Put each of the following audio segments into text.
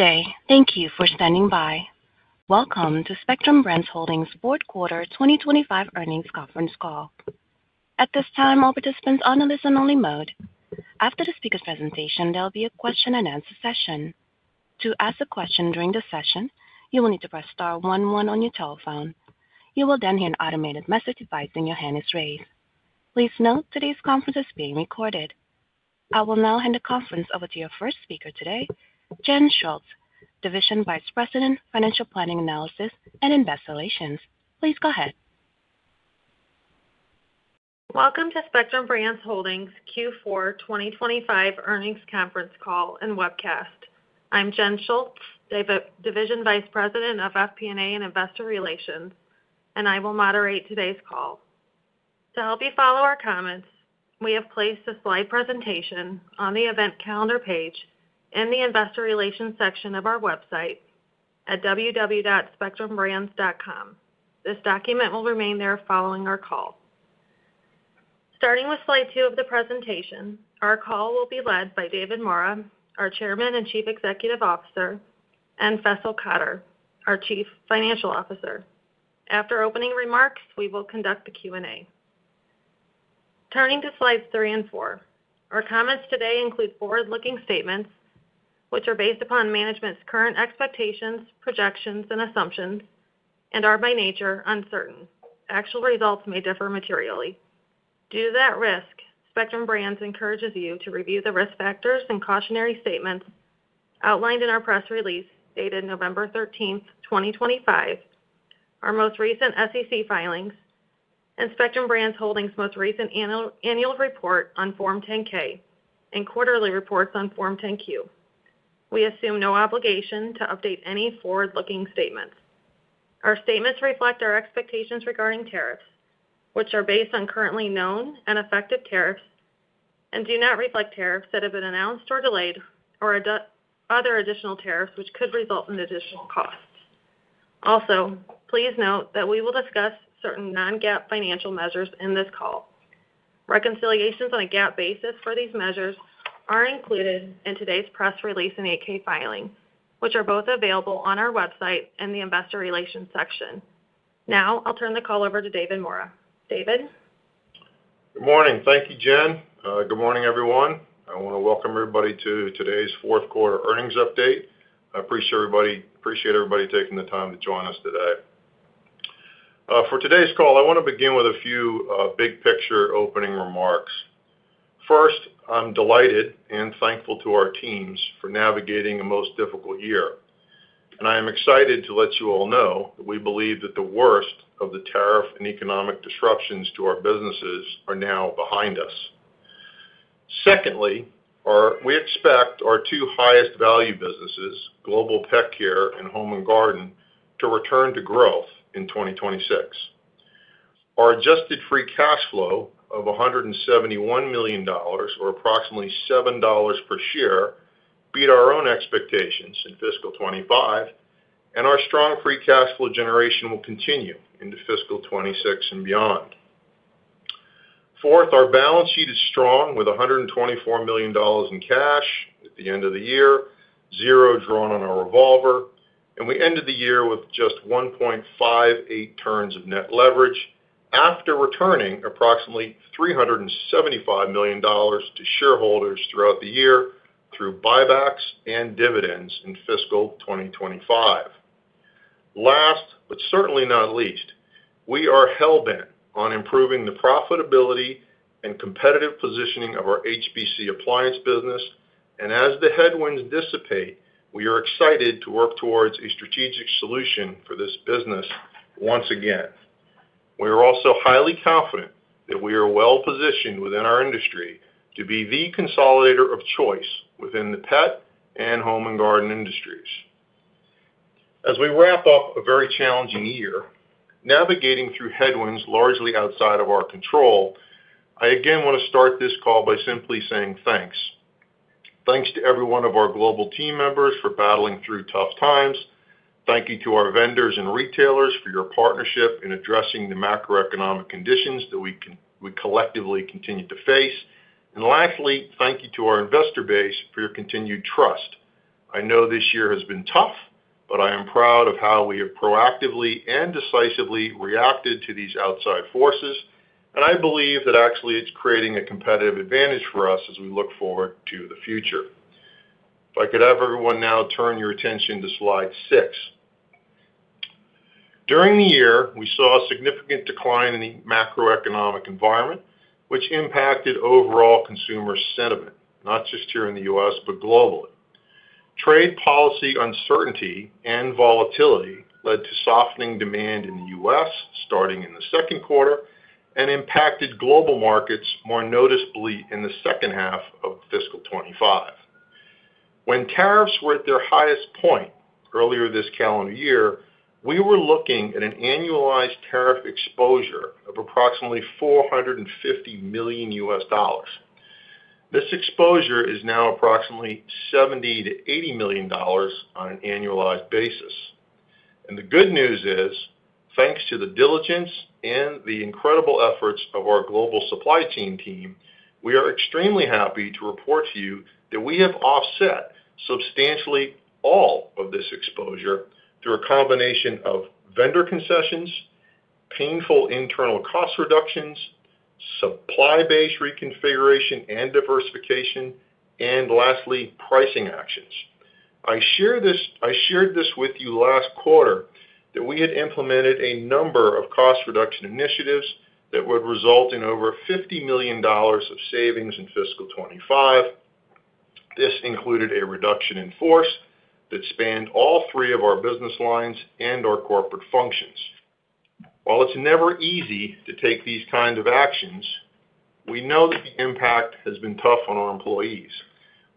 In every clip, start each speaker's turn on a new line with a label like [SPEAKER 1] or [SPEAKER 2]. [SPEAKER 1] Good day. Thank you for standing by. Welcome to Spectrum Brands Holdings' Board quarter 2025 earnings conference call. At this time, all participants are on a listen-only mode. After the speaker's presentation, there will be a question-and-answer session. To ask a question during the session, you will need to press star one one on your telephone. You will then hear an automated message advising your hand is raised. Please note today's conference is being recorded. I will now hand the conference over to your first speaker today, Jen Schultz, Division Vice President, Financial Planning & Analysis and Investor Relations. Please go ahead.
[SPEAKER 2] Welcome to Spectrum Brands Holdings' Q4 2025 earnings conference call and webcast. I'm Jen Schultz, Division Vice President of FP&A and Investor Relations, and I will moderate today's call. To help you follow our comments, we have placed a slide presentation on the event calendar page in the Investor Relations section of our website at www.spectrumbrands.com. This document will remain there following our call. Starting with slide two of the presentation, our call will be led by David Maura, our Chairman and Chief Executive Officer, and Faisal Qadir, our Chief Financial Officer. After opening remarks, we will conduct the Q&A. Turning to slides three and four, our comments today include forward-looking statements, which are based upon management's current expectations, projections, and assumptions, and are by nature uncertain. Actual results may differ materially. Due to that risk, Spectrum Brands encourages you to review the risk factors and cautionary statements outlined in our press release dated November 13th, 2025, our most recent SEC filings, and Spectrum Brands Holdings' most recent annual report on Form 10-K and quarterly reports on Form 10-Q. We assume no obligation to update any forward-looking statements. Our statements reflect our expectations regarding tariffs, which are based on currently known and effective tariffs and do not reflect tariffs that have been announced or delayed or other additional tariffs which could result in additional costs. Also, please note that we will discuss certain non-GAAP financial measures in this call. Reconciliations on a GAAP basis for these measures are included in today's press release and 8-K filing, which are both available on our website in the Investor Relations section. Now, I'll turn the call over to David Maura. David?
[SPEAKER 3] Good morning. Thank you, Jen. Good morning, everyone. I want to welcome everybody to today's fourth quarter earnings update. I appreciate everybody taking the time to join us today. For today's call, I want to begin with a few big-picture opening remarks. First, I'm delighted and thankful to our teams for navigating a most difficult year. I am excited to let you all know that we believe that the worst of the tariff and economic disruptions to our businesses are now behind us. Secondly, we expect our two highest-value businesses, Global Pet Care and Home & Garden, to return to growth in 2026. Our adjusted free cash flow of $171 million, or approximately $7 per share, beat our own expectations in fiscal 2025, and our strong free cash flow generation will continue into fiscal 2026 and beyond. Fourth, our balance sheet is strong with $124 million in cash at the end of the year, zero drawn on our revolver, and we ended the year with just 1.58 turns of net leverage after returning approximately $375 million to shareholders throughout the year through buybacks and dividends in fiscal 2025. Last, but certainly not least, we are hell-bent on improving the profitability and competitive positioning of our HBC appliance business, and as the headwinds dissipate, we are excited to work towards a strategic solution for this business once again. We are also highly confident that we are well-positioned within our industry to be the consolidator of choice within the pet and home and garden industries. As we wrap up a very challenging year, navigating through headwinds largely outside of our control, I again want to start this call by simply saying thanks. Thanks to every one of our global team members for battling through tough times. Thank you to our vendors and retailers for your partnership in addressing the macroeconomic conditions that we collectively continue to face. Lastly, thank you to our investor base for your continued trust. I know this year has been tough, but I am proud of how we have proactively and decisively reacted to these outside forces, and I believe that actually it is creating a competitive advantage for us as we look forward to the future. If I could have everyone now turn your attention to slide six. During the year, we saw a significant decline in the macroeconomic environment, which impacted overall consumer sentiment, not just here in the U.S., but globally. Trade policy uncertainty and volatility led to softening demand in the U.S. starting in the second quarter and impacted global markets more noticeably in the second half of fiscal 2025. When tariffs were at their highest point earlier this calendar year, we were looking at an annualized tariff exposure of approximately $450 million. This exposure is now approximately $70 million-$80 million on an annualized basis. The good news is, thanks to the diligence and the incredible efforts of our global supply chain team, we are extremely happy to report to you that we have offset substantially all of this exposure through a combination of vendor concessions, painful internal cost reductions, supply-based reconfiguration and diversification, and lastly, pricing actions. I shared this with you last quarter that we had implemented a number of cost reduction initiatives that would result in over $50 million of savings in fiscal 2025. This included a reduction in force that spanned all three of our business lines and our corporate functions. While it's never easy to take these kinds of actions, we know that the impact has been tough on our employees.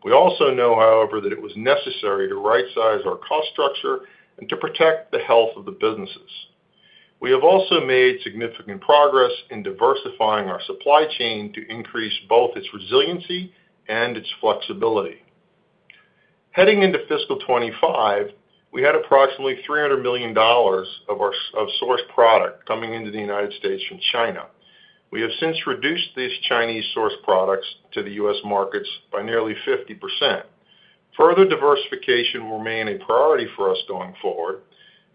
[SPEAKER 3] We also know, however, that it was necessary to right-size our cost structure and to protect the health of the businesses. We have also made significant progress in diversifying our supply chain to increase both its resiliency and its flexibility. Heading into fiscal 2025, we had approximately $300 million of source product coming into the U.S. from China. We have since reduced these Chinese source products to the U.S. markets by nearly 50%. Further diversification will remain a priority for us going forward,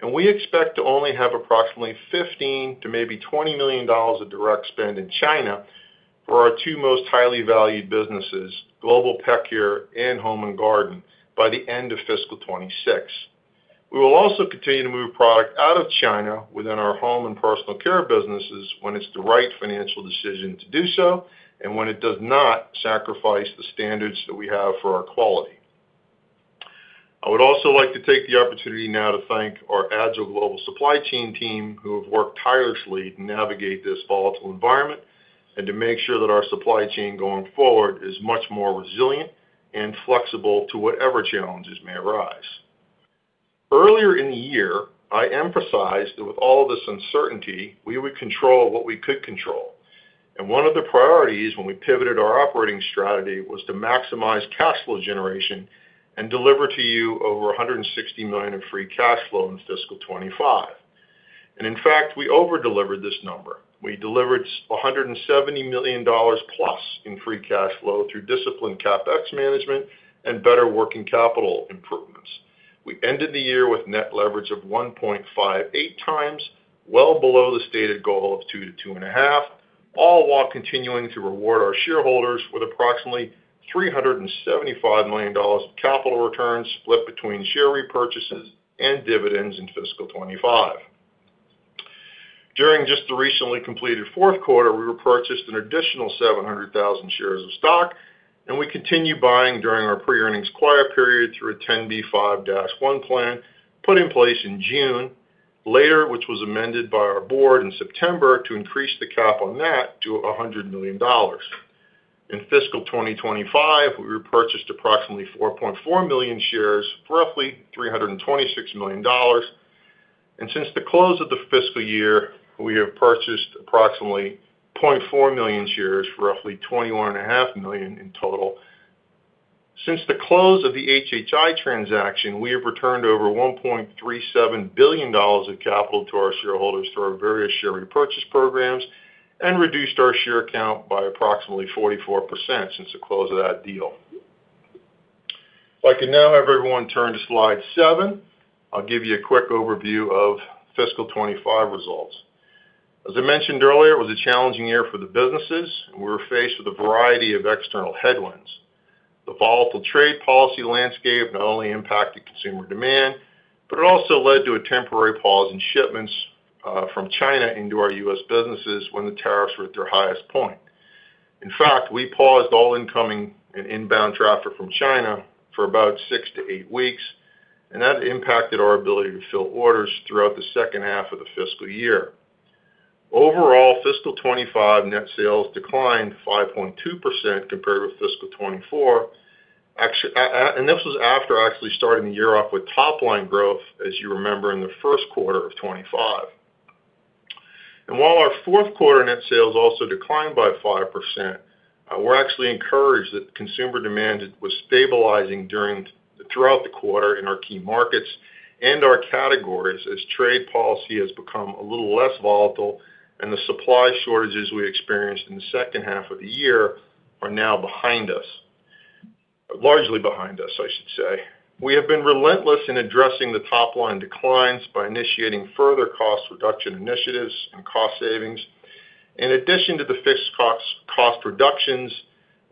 [SPEAKER 3] and we expect to only have approximately $15 million to maybe $20 million of direct spend in China for our two most highly valued businesses, Global Pet Care and Home & Garden, by the end of fiscal 2026. We will also continue to move product out of China within our Home & Personal Care businesses when it is the right financial decision to do so and when it does not sacrifice the standards that we have for our quality. I would also like to take the opportunity now to thank our agile global supply chain team who have worked tirelessly to navigate this volatile environment and to make sure that our supply chain going forward is much more resilient and flexible to whatever challenges may arise. Earlier in the year, I emphasized that with all of this uncertainty, we would control what we could control. One of the priorities when we pivoted our operating strategy was to maximize cash flow generation and deliver to you over $160 million of free cash flow in fiscal 2025. In fact, we over-delivered this number. We delivered $170+ million in free cash flow through disciplined CapEx management and better working capital improvements. We ended the year with net leverage of 1.58 times, well below the stated goal of 2-2.5, all while continuing to reward our shareholders with approximately $375 million of capital returns split between share repurchases and dividends in fiscal 2025. During just the recently completed fourth quarter, we repurchased an additional 700,000 shares of stock, and we continue buying during our pre-earnings quiet period through a 10B5-1 plan put in place in June, later, which was amended by our board in September to increase the cap on that to $100 million. In fiscal 2025, we repurchased approximately 4.4 million shares for roughly $326 million. Since the close of the fiscal year, we have purchased approximately 0.4 million shares for roughly $21.5 million in total. Since the close of the HHI transaction, we have returned over $1.37 billion of capital to our shareholders through our various share repurchase programs and reduced our share count by approximately 44% since the close of that deal. If I can now have everyone turn to slide seven, I'll give you a quick overview of fiscal 2025 results. As I mentioned earlier, it was a challenging year for the businesses, and we were faced with a variety of external headwinds. The volatile trade policy landscape not only impacted consumer demand, but it also led to a temporary pause in shipments from China into our U.S. businesses when the tariffs were at their highest point. In fact, we paused all incoming and inbound traffic from China for about six to eight weeks, and that impacted our ability to fill orders throughout the second half of the fiscal year. Overall, fiscal 2025 net sales declined 5.2% compared with fiscal 2024, and this was after actually starting the year off with top-line growth, as you remember, in the first quarter of 2025. While our fourth quarter net sales also declined by 5%, we're actually encouraged that consumer demand was stabilizing throughout the quarter in our key markets and our categories as trade policy has become a little less volatile, and the supply shortages we experienced in the second half of the year are now behind us, largely behind us, I should say. We have been relentless in addressing the top-line declines by initiating further cost reduction initiatives and cost savings. In addition to the fixed cost reductions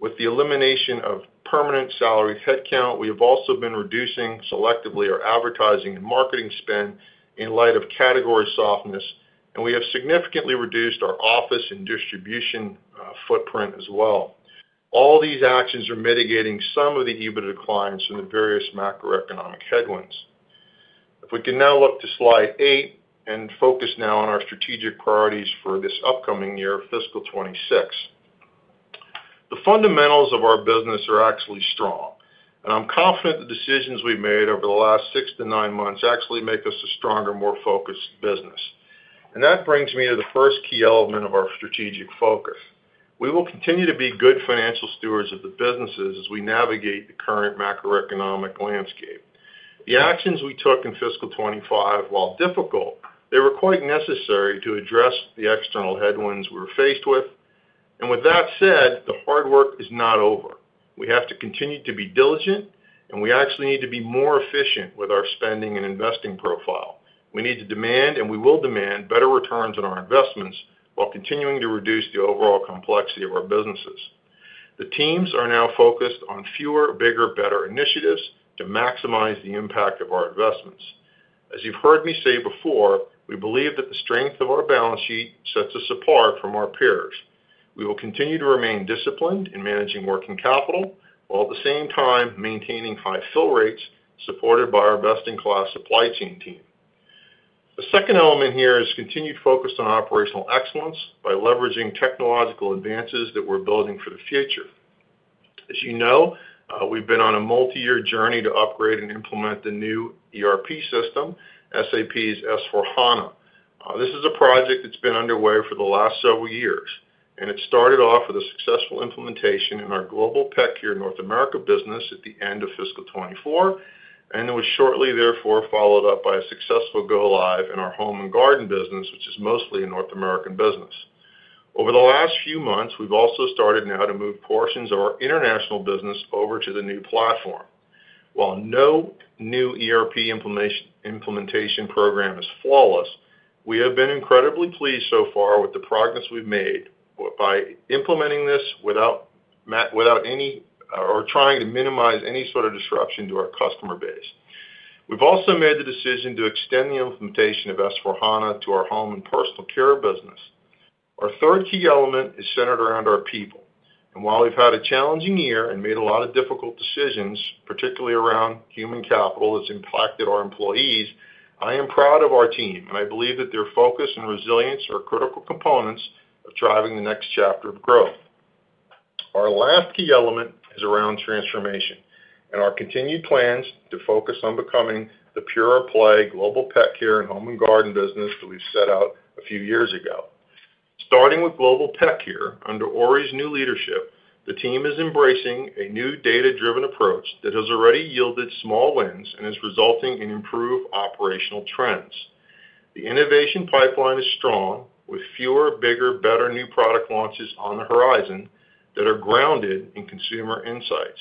[SPEAKER 3] with the elimination of permanent salary headcount, we have also been reducing selectively our advertising and marketing spend in light of category softness, and we have significantly reduced our office and distribution footprint as well. All these actions are mitigating some of the EBITDA declines from the various macroeconomic headwinds. If we can now look to slide eight and focus now on our strategic priorities for this upcoming year, fiscal 2026. The fundamentals of our business are actually strong, and I'm confident the decisions we've made over the last six to nine months actually make us a stronger, more focused business. That brings me to the first key element of our strategic focus. We will continue to be good financial stewards of the businesses as we navigate the current macroeconomic landscape. The actions we took in fiscal 2025, while difficult, they were quite necessary to address the external headwinds we were faced with. With that said, the hard work is not over. We have to continue to be diligent, and we actually need to be more efficient with our spending and investing profile. We need to demand, and we will demand, better returns on our investments while continuing to reduce the overall complexity of our businesses. The teams are now focused on fewer, bigger, better initiatives to maximize the impact of our investments. As you've heard me say before, we believe that the strength of our balance sheet sets us apart from our peers. We will continue to remain disciplined in managing working capital while at the same time maintaining high fill rates supported by our best-in-class supply chain team. The second element here is continued focus on operational excellence by leveraging technological advances that we're building for the future. As you know, we've been on a multi-year journey to upgrade and implement the new ERP system, SAP's S/4HANA. This is a project that's been underway for the last several years, and it started off with a successful implementation in our Global Pet Care North America business at the end of fiscal 2024, and it was shortly thereafter followed up by a successful go-live in our Home & Garden business, which is mostly a North American business. Over the last few months, we've also started now to move portions of our international business over to the new platform. While no new ERP implementation program is flawless, we have been incredibly pleased so far with the progress we've made by implementing this without any or trying to minimize any sort of disruption to our customer base. We've also made the decision to extend the implementation of S/4HANA to our Home & Personal Care business. Our third key element is centered around our people. While we have had a challenging year and made a lot of difficult decisions, particularly around human capital that has impacted our employees, I am proud of our team, and I believe that their focus and resilience are critical components of driving the next chapter of growth. Our last key element is around transformation and our continued plans to focus on becoming the pure play Global Pet Care and Home & Garden business that we set out a few years ago. Starting with Global Pet Care under Ori's new leadership, the team is embracing a new data-driven approach that has already yielded small wins and is resulting in improved operational trends. The innovation pipeline is strong with fewer, bigger, better new product launches on the horizon that are grounded in consumer insights.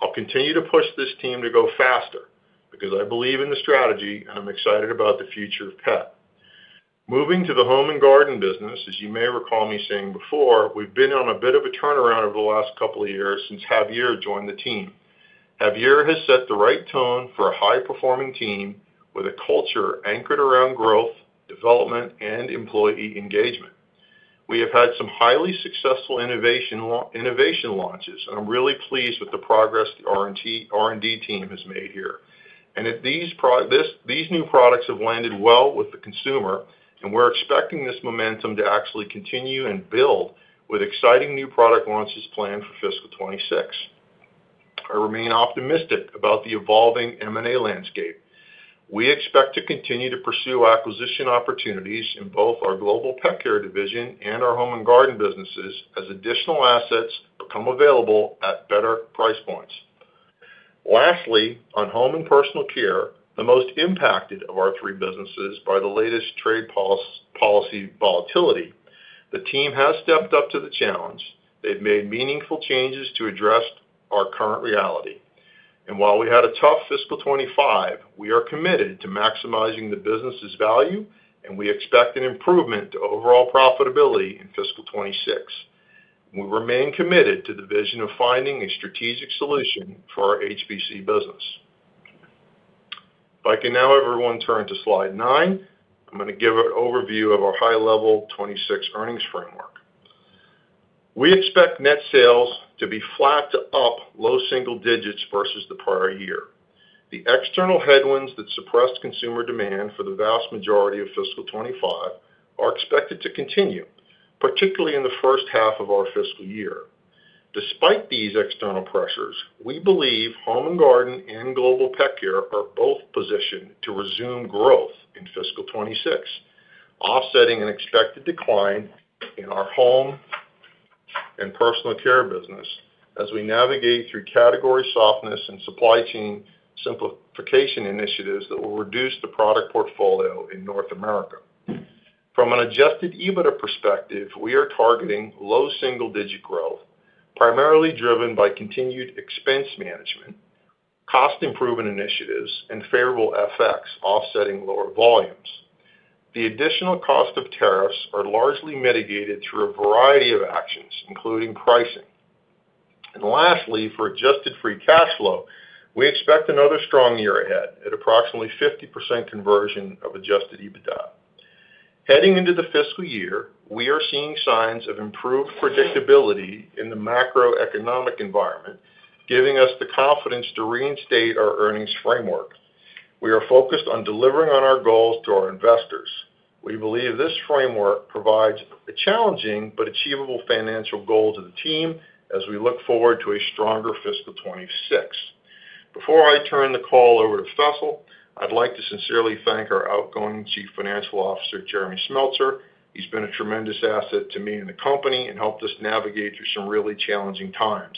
[SPEAKER 3] I'll continue to push this team to go faster because I believe in the strategy, and I'm excited about the future of PEC. Moving to the Home & Garden business, as you may recall me saying before, we've been on a bit of a turnaround over the last couple of years since Javier joined the team. Javier has set the right tone for a high-performing team with a culture anchored around growth, development, and employee engagement. We have had some highly successful innovation launches, and I'm really pleased with the progress the R&D team has made here. These new products have landed well with the consumer, and we're expecting this momentum to actually continue and build with exciting new product launches planned for fiscal 2026. I remain optimistic about the evolving M&A landscape. We expect to continue to pursue acquisition opportunities in both our Global Pet Care division and our Home & Garden businesses as additional assets become available at better price points. Lastly, on Home & Personal Care, the most impacted of our three businesses by the latest trade policy volatility, the team has stepped up to the challenge. They've made meaningful changes to address our current reality. While we had a tough fiscal 2025, we are committed to maximizing the business's value, and we expect an improvement to overall profitability in fiscal 2026. We remain committed to the vision of finding a strategic solution for our HPC business. If I can now have everyone turn to slide nine, I'm going to give an overview of our high-level 2026 earnings framework. We expect net sales to be flat to up low single digits versus the prior year. The external headwinds that suppressed consumer demand for the vast majority of fiscal 2025 are expected to continue, particularly in the first half of our fiscal year. Despite these external pressures, we believe Home & Garden and Global Pet Care are both positioned to resume growth in fiscal 2026, offsetting an expected decline in our Home & Personal Care business as we navigate through category softness and supply chain simplification initiatives that will reduce the product portfolio in North America. From an adjusted EBITDA perspective, we are targeting low single-digit growth, primarily driven by continued expense management, cost-improvement initiatives, and favorable FX offsetting lower volumes. The additional cost of tariffs are largely mitigated through a variety of actions, including pricing. Lastly, for adjusted free cash flow, we expect another strong year ahead at approximately 50% conversion of adjusted EBITDA. Heading into the fiscal year, we are seeing signs of improved predictability in the macroeconomic environment, giving us the confidence to reinstate our earnings framework. We are focused on delivering on our goals to our investors. We believe this framework provides a challenging but achievable financial goal to the team as we look forward to a stronger fiscal 2026. Before I turn the call over to Faisal, I'd like to sincerely thank our outgoing Chief Financial Officer, Jeremy Smeltser. He's been a tremendous asset to me and the company and helped us navigate through some really challenging times.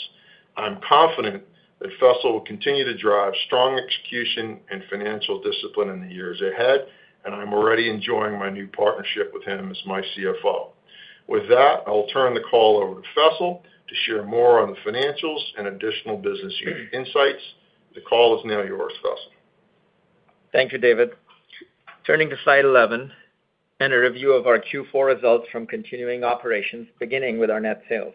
[SPEAKER 3] I'm confident that Faisal will continue to drive strong execution and financial discipline in the years ahead, and I'm already enjoying my new partnership with him as my CFO. With that, I'll turn the call over to Faisal to share more on the financials and additional business unit insights. The call is now yours, Faisal.
[SPEAKER 4] Thank you, David. Turning to slide 11, and a review of our Q4 results from continuing operations, beginning with our net sales.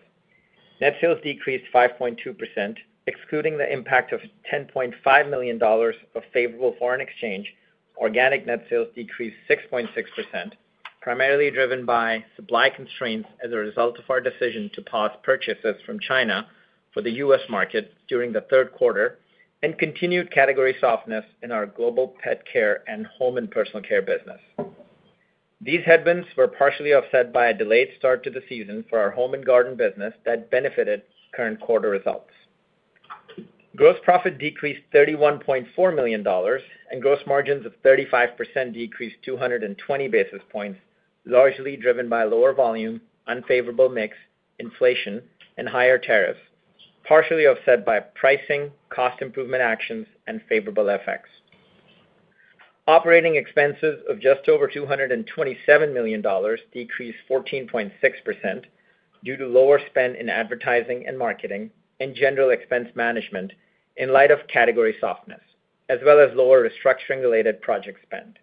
[SPEAKER 4] Net sales decreased 5.2%, excluding the impact of $10.5 million of favorable foreign exchange. Organic net sales decreased 6.6%, primarily driven by supply constraints as a result of our decision to pause purchases from China for the U.S. market during the third quarter and continued category softness in our Global Pet Care and Home & Personal Care business. These headwinds were partially offset by a delayed start to the season for our Home & Garden business that benefited current quarter results. Gross profit decreased $31.4 million, and gross margins of 35% decreased 220 basis points, largely driven by lower volume, unfavorable mix, inflation, and higher tariffs, partially offset by pricing, cost improvement actions, and favorable FX. Operating expenses of just over $227 million decreased 14.6% due to lower spend in advertising and marketing and general expense management in light of category softness, as well as lower restructuring-related project spend.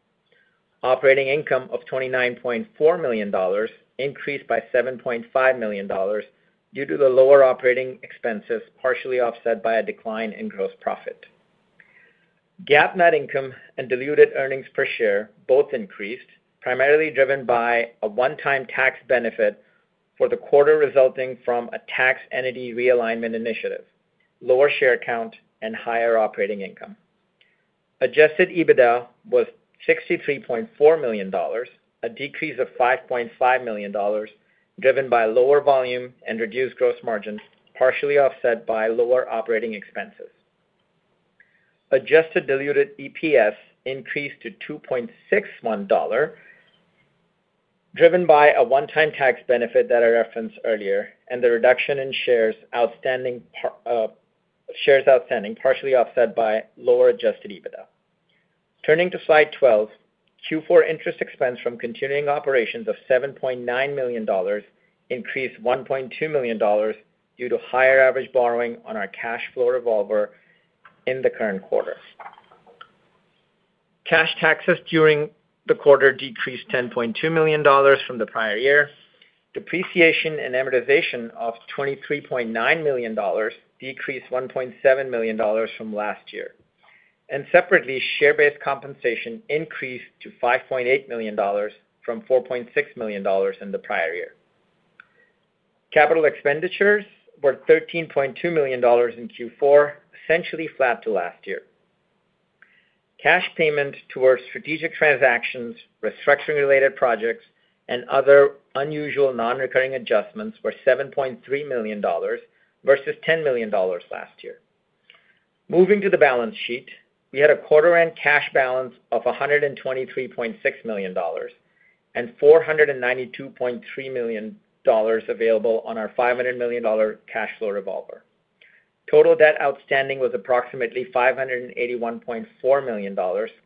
[SPEAKER 4] Operating income of $29.4 million increased by $7.5 million due to the lower operating expenses, partially offset by a decline in gross profit. GAAP net income and diluted earnings per share both increased, primarily driven by a one-time tax benefit for the quarter resulting from a tax entity realignment initiative, lower share count, and higher operating income. Adjusted EBITDA was $63.4 million, a decrease of $5.5 million driven by lower volume and reduced gross margins, partially offset by lower operating expenses. Adjusted diluted EPS increased to $2.61, driven by a one-time tax benefit that I referenced earlier, and the reduction in shares outstanding, partially offset by lower adjusted EBITDA. Turning to slide 12, Q4 interest expense from continuing operations of $7.9 million increased $1.2 million due to higher average borrowing on our cash flow revolver in the current quarter. Cash taxes during the quarter decreased $10.2 million from the prior year. Depreciation and amortization of $23.9 million decreased $1.7 million from last year. Separately, share-based compensation increased to $5.8 million from $4.6 million in the prior year. Capital expenditures were $13.2 million in Q4, essentially flat to last year. Cash payment towards strategic transactions, restructuring-related projects, and other unusual non-recurring adjustments were $7.3 million versus $10 million last year. Moving to the balance sheet, we had a quarter-end cash balance of $123.6 million and $492.3 million available on our $500 million cash flow revolver. Total debt outstanding was approximately $581.4 million,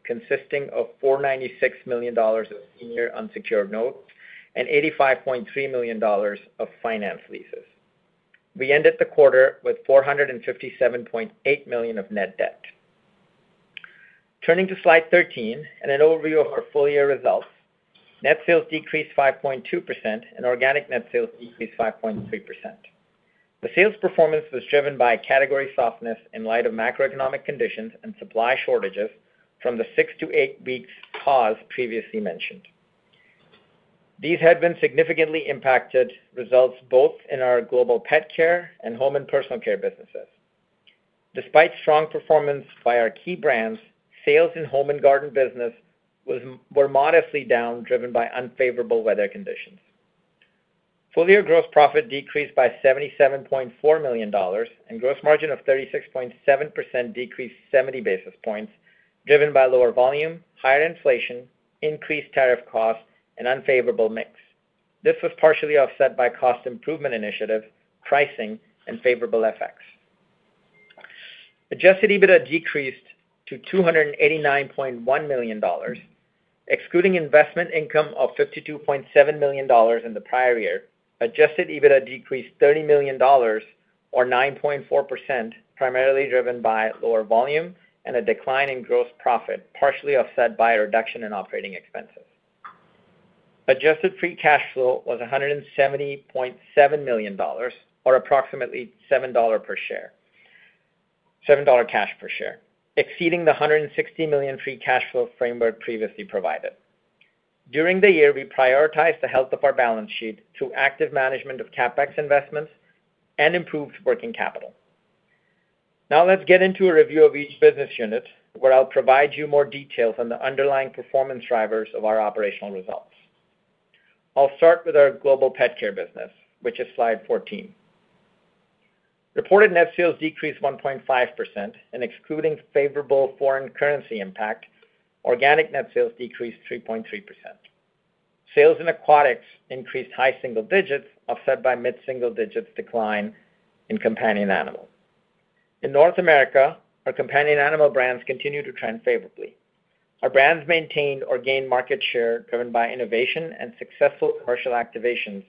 [SPEAKER 4] consisting of $496 million of senior unsecured notes and $85.3 million of finance leases. We ended the quarter with $457.8 million of net debt. Turning to slide 13 and an overview of our full year results, net sales decreased 5.2% and organic net sales decreased 5.3%. The sales performance was driven by category softness in light of macroeconomic conditions and supply shortages from the six- to eight-week pause previously mentioned. These had significantly impacted results both in our Global Pet Care and Home & Personal Care businesses. Despite strong performance by our key brands, sales in Home & Garden business were modestly down, driven by unfavorable weather conditions. Full year gross profit decreased by $77.4 million and gross margin of 36.7% decreased 70 basis points, driven by lower volume, higher inflation, increased tariff costs, and unfavorable mix. This was partially offset by cost improvement initiatives, pricing, and favorable FX. Adjusted EBITDA decreased to $289.1 million, excluding investment income of $52.7 million in the prior year. Adjusted EBITDA decreased $30 million or 9.4%, primarily driven by lower volume and a decline in gross profit, partially offset by a reduction in operating expenses. Adjusted free cash flow was $170.7 million or approximately $7 per share, exceeding the $160 million free cash flow framework previously provided. During the year, we prioritized the health of our balance sheet through active management of CapEx investments and improved working capital. Now let's get into a review of each business unit where I'll provide you more details on the underlying performance drivers of our operational results. I'll start with our Global Pet Care business, which is slide 14. Reported net sales decreased 1.5%, and excluding favorable foreign currency impact, organic net sales decreased 3.3%. Sales in aquatics increased high single digits, offset by mid-single digits decline in companion animals. In North America, our companion animal brands continue to trend favorably. Our brands maintained or gained market share driven by innovation and successful commercial activations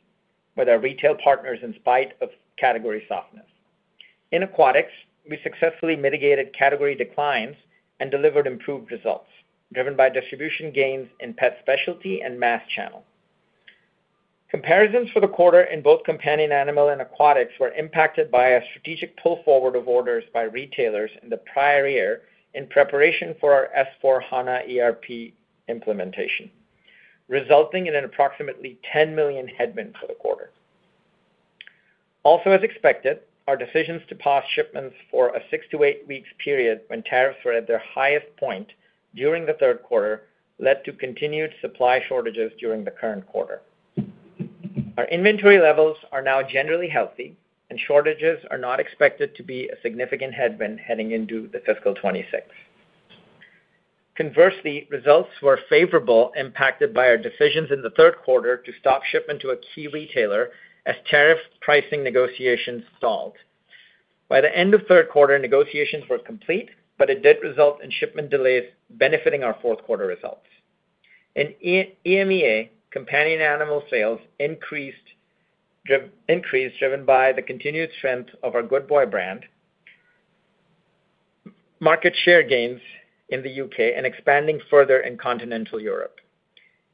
[SPEAKER 4] with our retail partners in spite of category softness. In aquatics, we successfully mitigated category declines and delivered improved results, driven by distribution gains in pet specialty and mass channel. Comparisons for the quarter in both companion animal and aquatics were impacted by a strategic pull forward of orders by retailers in the prior year in preparation for our S/4HANA ERP implementation, resulting in an approximately $10 million headwind for the quarter. Also, as expected, our decisions to pause shipments for a six- to eight-week period when tariffs were at their highest point during the third quarter led to continued supply shortages during the current quarter. Our inventory levels are now generally healthy, and shortages are not expected to be a significant headwind heading into fiscal 2026. Conversely, results were favorable, impacted by our decisions in the third quarter to stop shipment to a key retailer as tariff pricing negotiations stalled. By the end of the third quarter, negotiations were complete, but it did result in shipment delays benefiting our fourth quarter results. In EMEA, companion animal sales increased, driven by the continued strength of our Good Boy brand, market share gains in the U.K., and expanding further in continental Europe.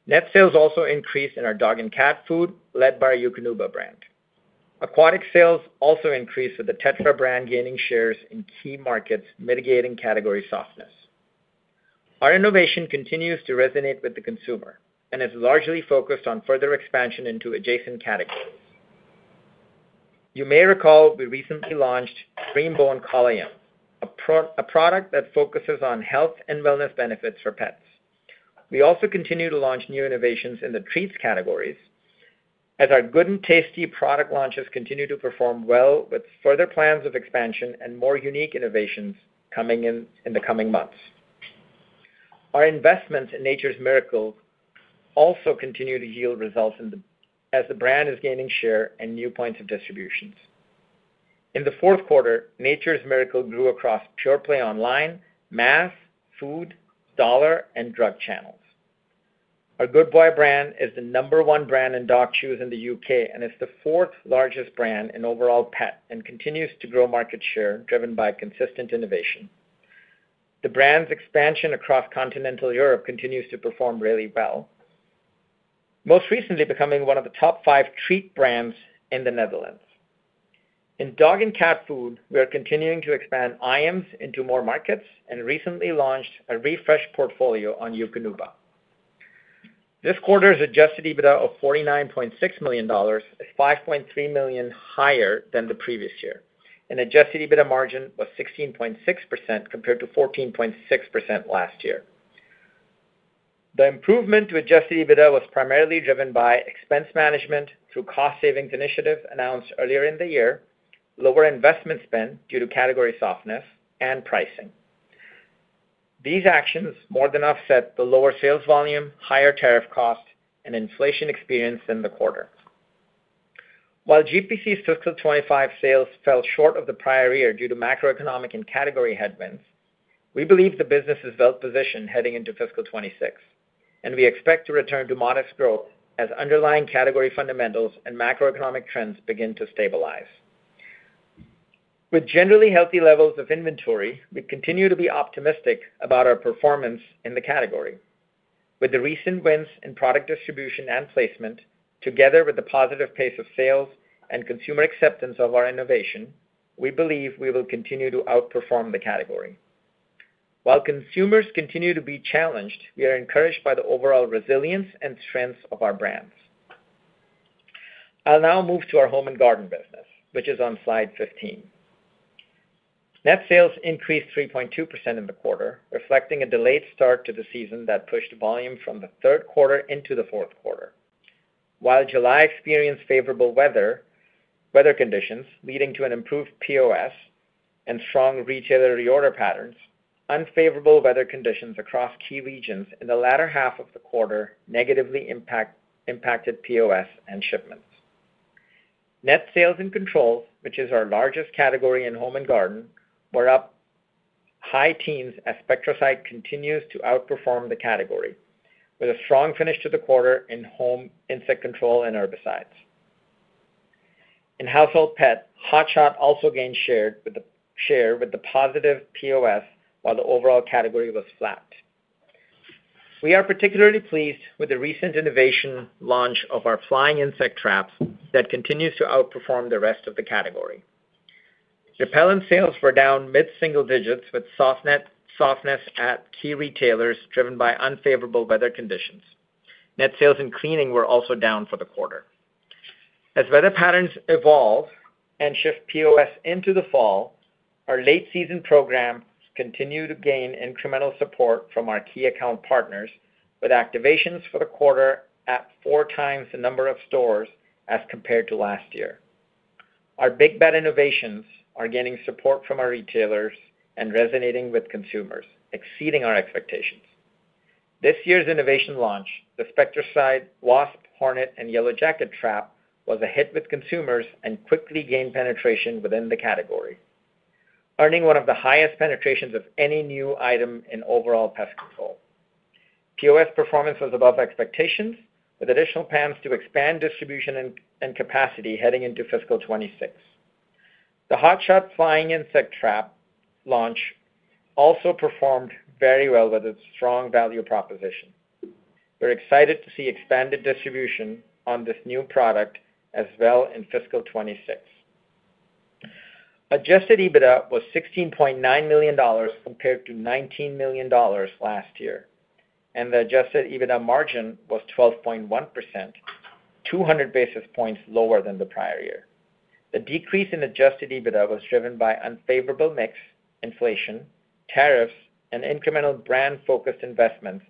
[SPEAKER 4] Net sales also increased in our dog and cat food, led by our Eukanuba brand. Aquatic sales also increased with the Tetra brand gaining shares in key markets, mitigating category softness. Our innovation continues to resonate with the consumer and is largely focused on further expansion into adjacent categories. You may recall we recently launched Greenies Collagen, a product that focuses on health and wellness benefits for pets. We also continue to launch new innovations in the treats categories as our Good Boy and Tasty product launches continue to perform well, with further plans of expansion and more unique innovations coming in the coming months. Our investments in Nature's Miracle also continue to yield results as the brand is gaining share and new points of distribution. In the fourth quarter, Nature's Miracle grew across PurePlay Online, Mass, Food, Dollar, and Drug channels. Our Good Boy brand is the number one brand in dog chews in the U.K. and is the fourth largest brand in overall pet and continues to grow market share, driven by consistent innovation. The brand's expansion across Continental Europe continues to perform really well, most recently becoming one of the top five treat brands in the Netherlands. In dog and cat food, we are continuing to expand IAMs into more markets and recently launched a refreshed portfolio on Eukanuba. This quarter's adjusted EBITDA of $49.6 million is $5.3 million higher than the previous year. An adjusted EBITDA margin was 16.6% compared to 14.6% last year. The improvement to adjusted EBITDA was primarily driven by expense management through cost savings initiatives announced earlier in the year, lower investment spend due to category softness, and pricing. These actions more than offset the lower sales volume, higher tariff costs, and inflation experienced in the quarter. While GPC's fiscal 2025 sales fell short of the prior year due to macroeconomic and category headwinds, we believe the business is well positioned heading into fiscal 2026, and we expect to return to modest growth as underlying category fundamentals and macroeconomic trends begin to stabilize. With generally healthy levels of inventory, we continue to be optimistic about our performance in the category. With the recent wins in product distribution and placement, together with the positive pace of sales and consumer acceptance of our innovation, we believe we will continue to outperform the category. While consumers continue to be challenged, we are encouraged by the overall resilience and strengths of our brands. I'll now move to our Home & Garden business, which is on slide 15. Net sales increased 3.2% in the quarter, reflecting a delayed start to the season that pushed volume from the third quarter into the fourth quarter. While July experienced favorable weather conditions, leading to an improved POS and strong retailer reorder patterns, unfavorable weather conditions across key regions in the latter half of the quarter negatively impacted POS and shipments. Net sales and controls, which is our largest category in Home & Garden, were up high teens as SpectraSight continues to outperform the category, with a strong finish to the quarter in home insect control and herbicides. In household pet, Hot Shot also gained share with the positive POS, while the overall category was flat. We are particularly pleased with the recent innovation launch of our Flying Insect Traps that continues to outperform the rest of the category. Repellent sales were down mid-single digits, with softness at key retailers driven by unfavorable weather conditions. Net sales and cleaning were also down for the quarter. As weather patterns evolve and shift POS into the fall, our late-season program continued to gain incremental support from our key account partners, with activations for the quarter at four times the number of stores as compared to last year. Our big bet innovations are gaining support from our retailers and resonating with consumers, exceeding our expectations. This year's innovation launch, the Spectracide Wasp Hornet and Yellowjacket Trap, was a hit with consumers and quickly gained penetration within the category, earning one of the highest penetrations of any new item in overall pest control. POS performance was above expectations, with additional plans to expand distribution and capacity heading into fiscal 2026. The Hot Shot Flying Insect Trap launch also performed very well with its strong value proposition. We are excited to see expanded distribution on this new product as well in fiscal 2026. Adjusted EBITDA was $16.9 million compared to $19 million last year, and the adjusted EBITDA margin was 12.1%, 200 basis points lower than the prior year. The decrease in adjusted EBITDA was driven by unfavorable mix, inflation, tariffs, and incremental brand-focused investments,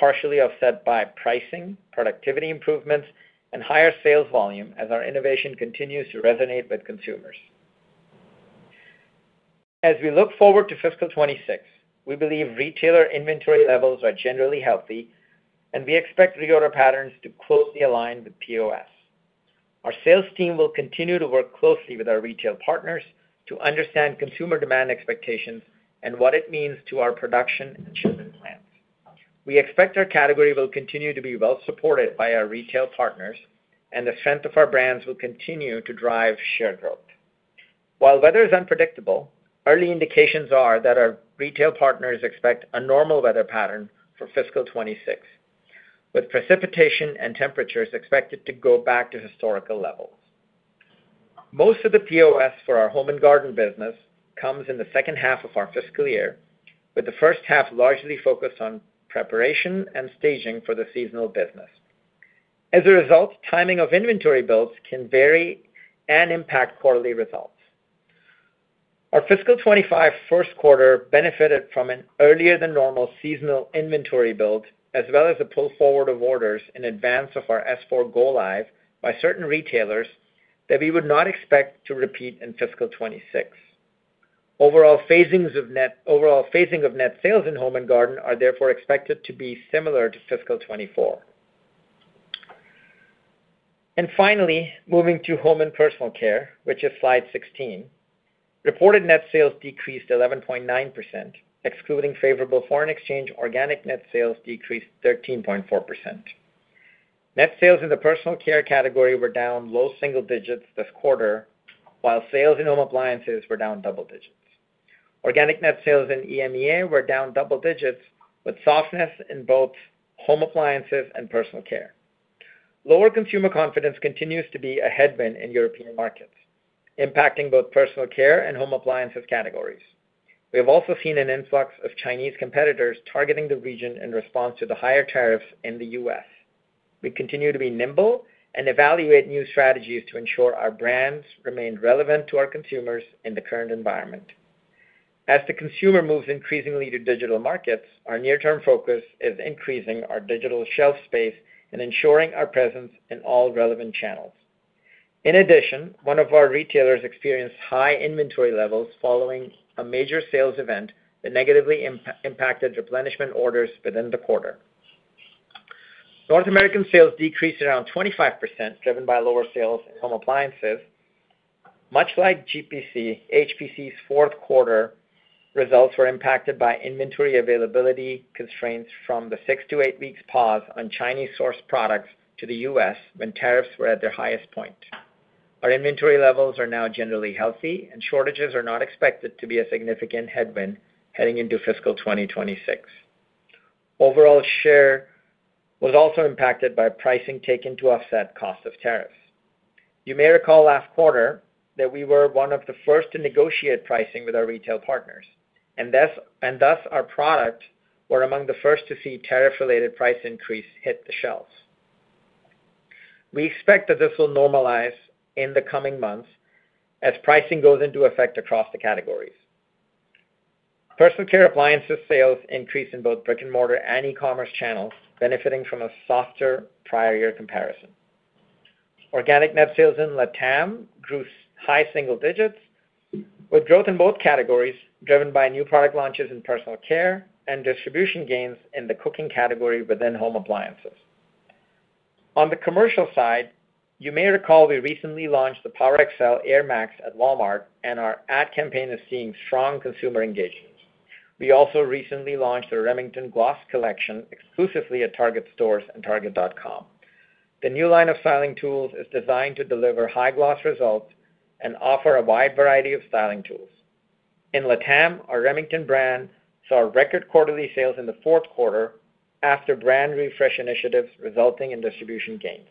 [SPEAKER 4] partially offset by pricing, productivity improvements, and higher sales volume as our innovation continues to resonate with consumers. As we look forward to fiscal 2026, we believe retailer inventory levels are generally healthy, and we expect reorder patterns to closely align with POS. Our sales team will continue to work closely with our retail partners to understand consumer demand expectations and what it means to our production and shipment plans. We expect our category will continue to be well supported by our retail partners, and the strength of our brands will continue to drive share growth. While weather is unpredictable, early indications are that our retail partners expect a normal weather pattern for fiscal 2026, with precipitation and temperatures expected to go back to historical levels. Most of the POS for our Home & Garden business comes in the second half of our fiscal year, with the first half largely focused on preparation and staging for the seasonal business. As a result, timing of inventory builds can vary and impact quarterly results. Our fiscal 2025 first quarter benefited from an earlier than normal seasonal inventory build, as well as a pull forward of orders in advance of our S/4HANA go-live by certain retailers that we would not expect to repeat in fiscal 2026. Overall phasing of net sales in Home & Garden are therefore expected to be similar to fiscal 2024. Finally, moving to Home & Personal Care, which is slide 16, reported net sales decreased 11.9%, excluding favorable FX. Organic net sales decreased 13.4%. Net sales in the personal care category were down low single-digits this quarter, while sales in home appliances were down double-digits. Organic net sales in EMEA were down double digits, with softness in both home appliances and personal care. Lower consumer confidence continues to be a headwind in European markets, impacting both personal care and home appliances categories. We have also seen an influx of Chinese competitors targeting the region in response to the higher tariffs in the U.S. We continue to be nimble and evaluate new strategies to ensure our brands remain relevant to our consumers in the current environment. As the consumer moves increasingly to digital markets, our near-term focus is increasing our digital shelf space and ensuring our presence in all relevant channels. In addition, one of our retailers experienced high inventory levels following a major sales event that negatively impacted replenishment orders within the quarter. North American sales decreased around 25%, driven by lower sales in home appliances. Much like GPC, HPC's fourth quarter results were impacted by inventory availability constraints from the six- to eight-week pause on Chinese-sourced products to the U.S. when tariffs were at their highest point. Our inventory levels are now generally healthy, and shortages are not expected to be a significant headwind heading into fiscal 2026. Overall share was also impacted by pricing taken to offset cost of tariffs. You may recall last quarter that we were one of the first to negotiate pricing with our retail partners, and thus our products were among the first to see tariff-related price increases hit the shelves. We expect that this will normalize in the coming months as pricing goes into effect across the categories. Personal care appliances sales increased in both brick-and-mortar and e-commerce channels, benefiting from a softer prior year comparison. Organic net sales in Latin America grew high single digits, with growth in both categories driven by new product launches in personal care and distribution gains in the cooking category within home appliances. On the commercial side, you may recall we recently launched the PowerXL Air Max at Walmart, and our ad campaign is seeing strong consumer engagement. We also recently launched the Remington Gloss Collection exclusively at Target stores and Target.com. The new line of styling tools is designed to deliver high gloss results and offer a wide variety of styling tools. In LATAM, our Remington brand saw record quarterly sales in the fourth quarter after brand refresh initiatives resulting in distributing gains.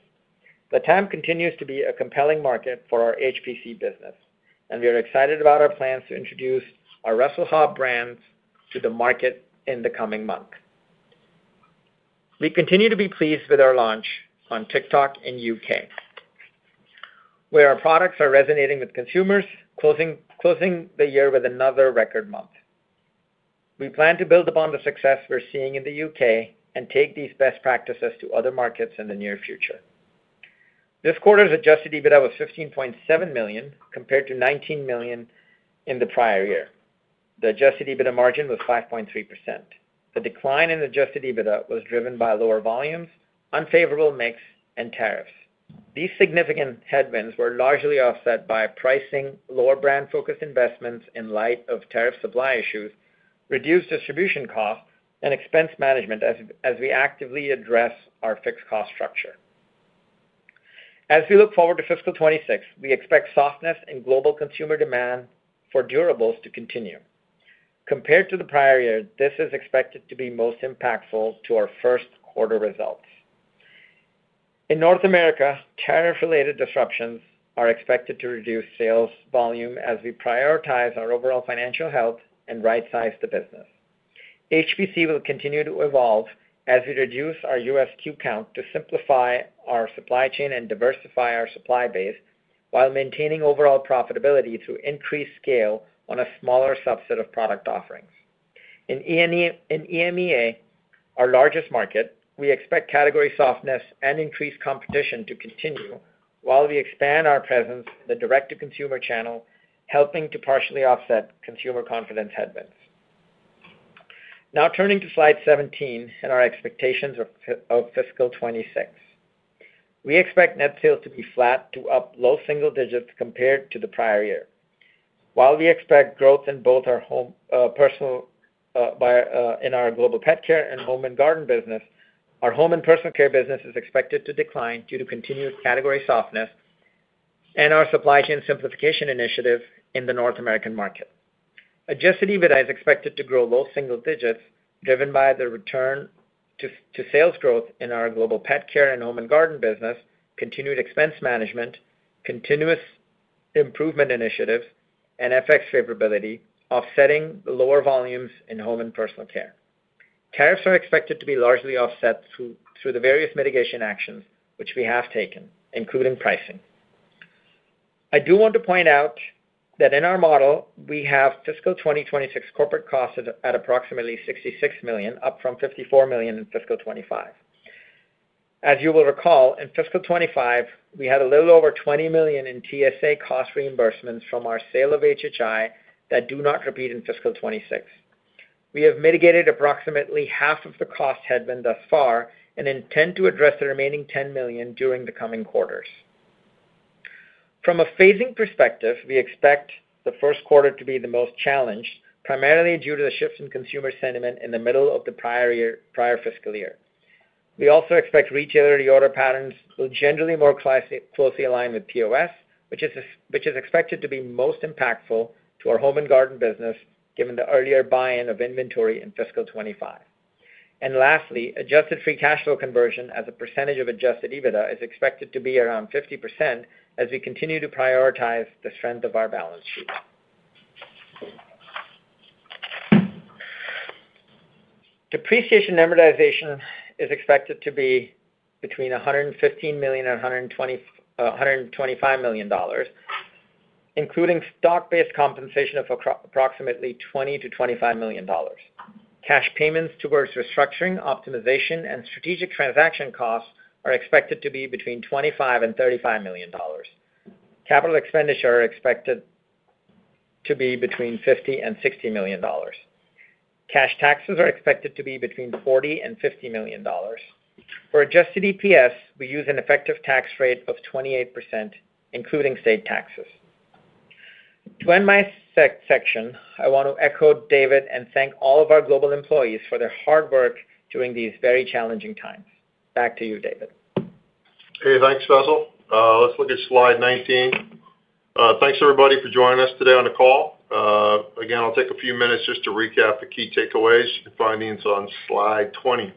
[SPEAKER 4] America continues to be a compelling market for our Home & Personal Care business, and we are excited about our plans to introduce our Russell Hobbs brands to the market in the coming month. We continue to be pleased with our launch on TikTok in the U.K., where our products are resonating with consumers, closing the year with another record month. We plan to build upon the success we're seeing in the U.K. and take these best practices to other markets in the near future. This quarter's adjusted EBITDA was $15.7 million compared to $19 million in the prior year. The adjusted EBITDA margin was 5.3%. The decline in adjusted EBITDA was driven by lower volumes, unfavorable mix, and tariffs. These significant headwinds were largely offset by pricing, lower brand-focused investments in light of tariff supply issues, reduced distribution costs, and expense management as we actively address our fixed cost structure. As we look forward to fiscal 2026, we expect softness in global consumer demand for durables to continue. Compared to the prior year, this is expected to be most impactful to our first quarter results. In North America, tariff-related disruptions are expected to reduce sales volume as we prioritize our overall financial health and right-size the business. HPC will continue to evolve as we reduce our U.S. queue count to simplify our supply chain and diversify our supply base while maintaining overall profitability through increased scale on a smaller subset of product offerings. In EMEA, our largest market, we expect category softness and increased competition to continue while we expand our presence in the direct-to-consumer channel, helping to partially offset consumer confidence headwinds. Now turning to slide 17 and our expectations of fiscal 2026, we expect net sales to be flat to up low single digits compared to the prior year. While we expect growth in both our Global Pet Care and Home & Garden business, our Home & Personal Care business is expected to decline due to continued category softness and our supply chain simplification initiative in the North American market. Adjusted EBITDA is expected to grow low single digits, driven by the return to sales growth in our Global Pet Care and Home & Garden business, continued expense management, continuous improvement initiatives, and FX favorability, offsetting the lower volumes in Home & Personal Care. Tariffs are expected to be largely offset through the various mitigation actions which we have taken, including pricing. I do want to point out that in our model, we have fiscal 2026 corporate costs at approximately $66 million, up from $54 million in fiscal 2025. As you will recall, in fiscal 2025, we had a little over $20 million in TSA cost reimbursements from our sale of HHI that do not repeat in fiscal 2026. We have mitigated approximately half of the cost headwind thus far and intend to address the remaining $10 million during the coming quarters. From a phasing perspective, we expect the first quarter to be the most challenged, primarily due to the shift in consumer sentiment in the middle of the prior fiscal year. We also expect retailer reorder patterns will generally more closely align with POS, which is expected to be most impactful to our Home & Garden business given the earlier buy-in of inventory in fiscal 2025. Lastly, adjusted free cash flow conversion as a percentage of adjusted EBITDA is expected to be around 50% as we continue to prioritize the strength of our balance sheet. Depreciation and amortization is expected to be between $115 million and $125 million, including stock-based compensation of approximately $20 million-$25 million. Cash payments towards restructuring, optimization, and strategic transaction costs are expected to be between $25 million-$35 million. Capital expenditure is expected to be between $50 million-$60 million. Cash taxes are expected to be between $40 million-$50 million. For adjusted EPS, we use an effective tax rate of 28%, including state taxes. To end my section, I want to echo David and thank all of our global employees for their hard work during these very challenging times. Back to you, David.
[SPEAKER 3] Okay, thanks, Faisal. Let's look at slide 19. Thanks, everybody, for joining us today on the call. Again, I'll take a few minutes just to recap the key takeaways and findings on slide 20.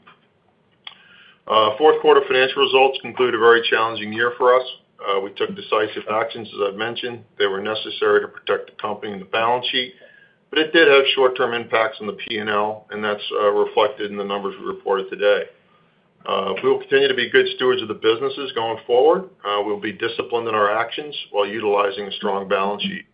[SPEAKER 3] Fourth quarter financial results concluded a very challenging year for us. We took decisive actions, as I've mentioned. They were necessary to protect the company and the balance sheet, but it did have short-term impacts on the P&L, and that's reflected in the numbers we reported today. We will continue to be good stewards of the businesses going forward. We will be disciplined in our actions while utilizing a strong balance sheet.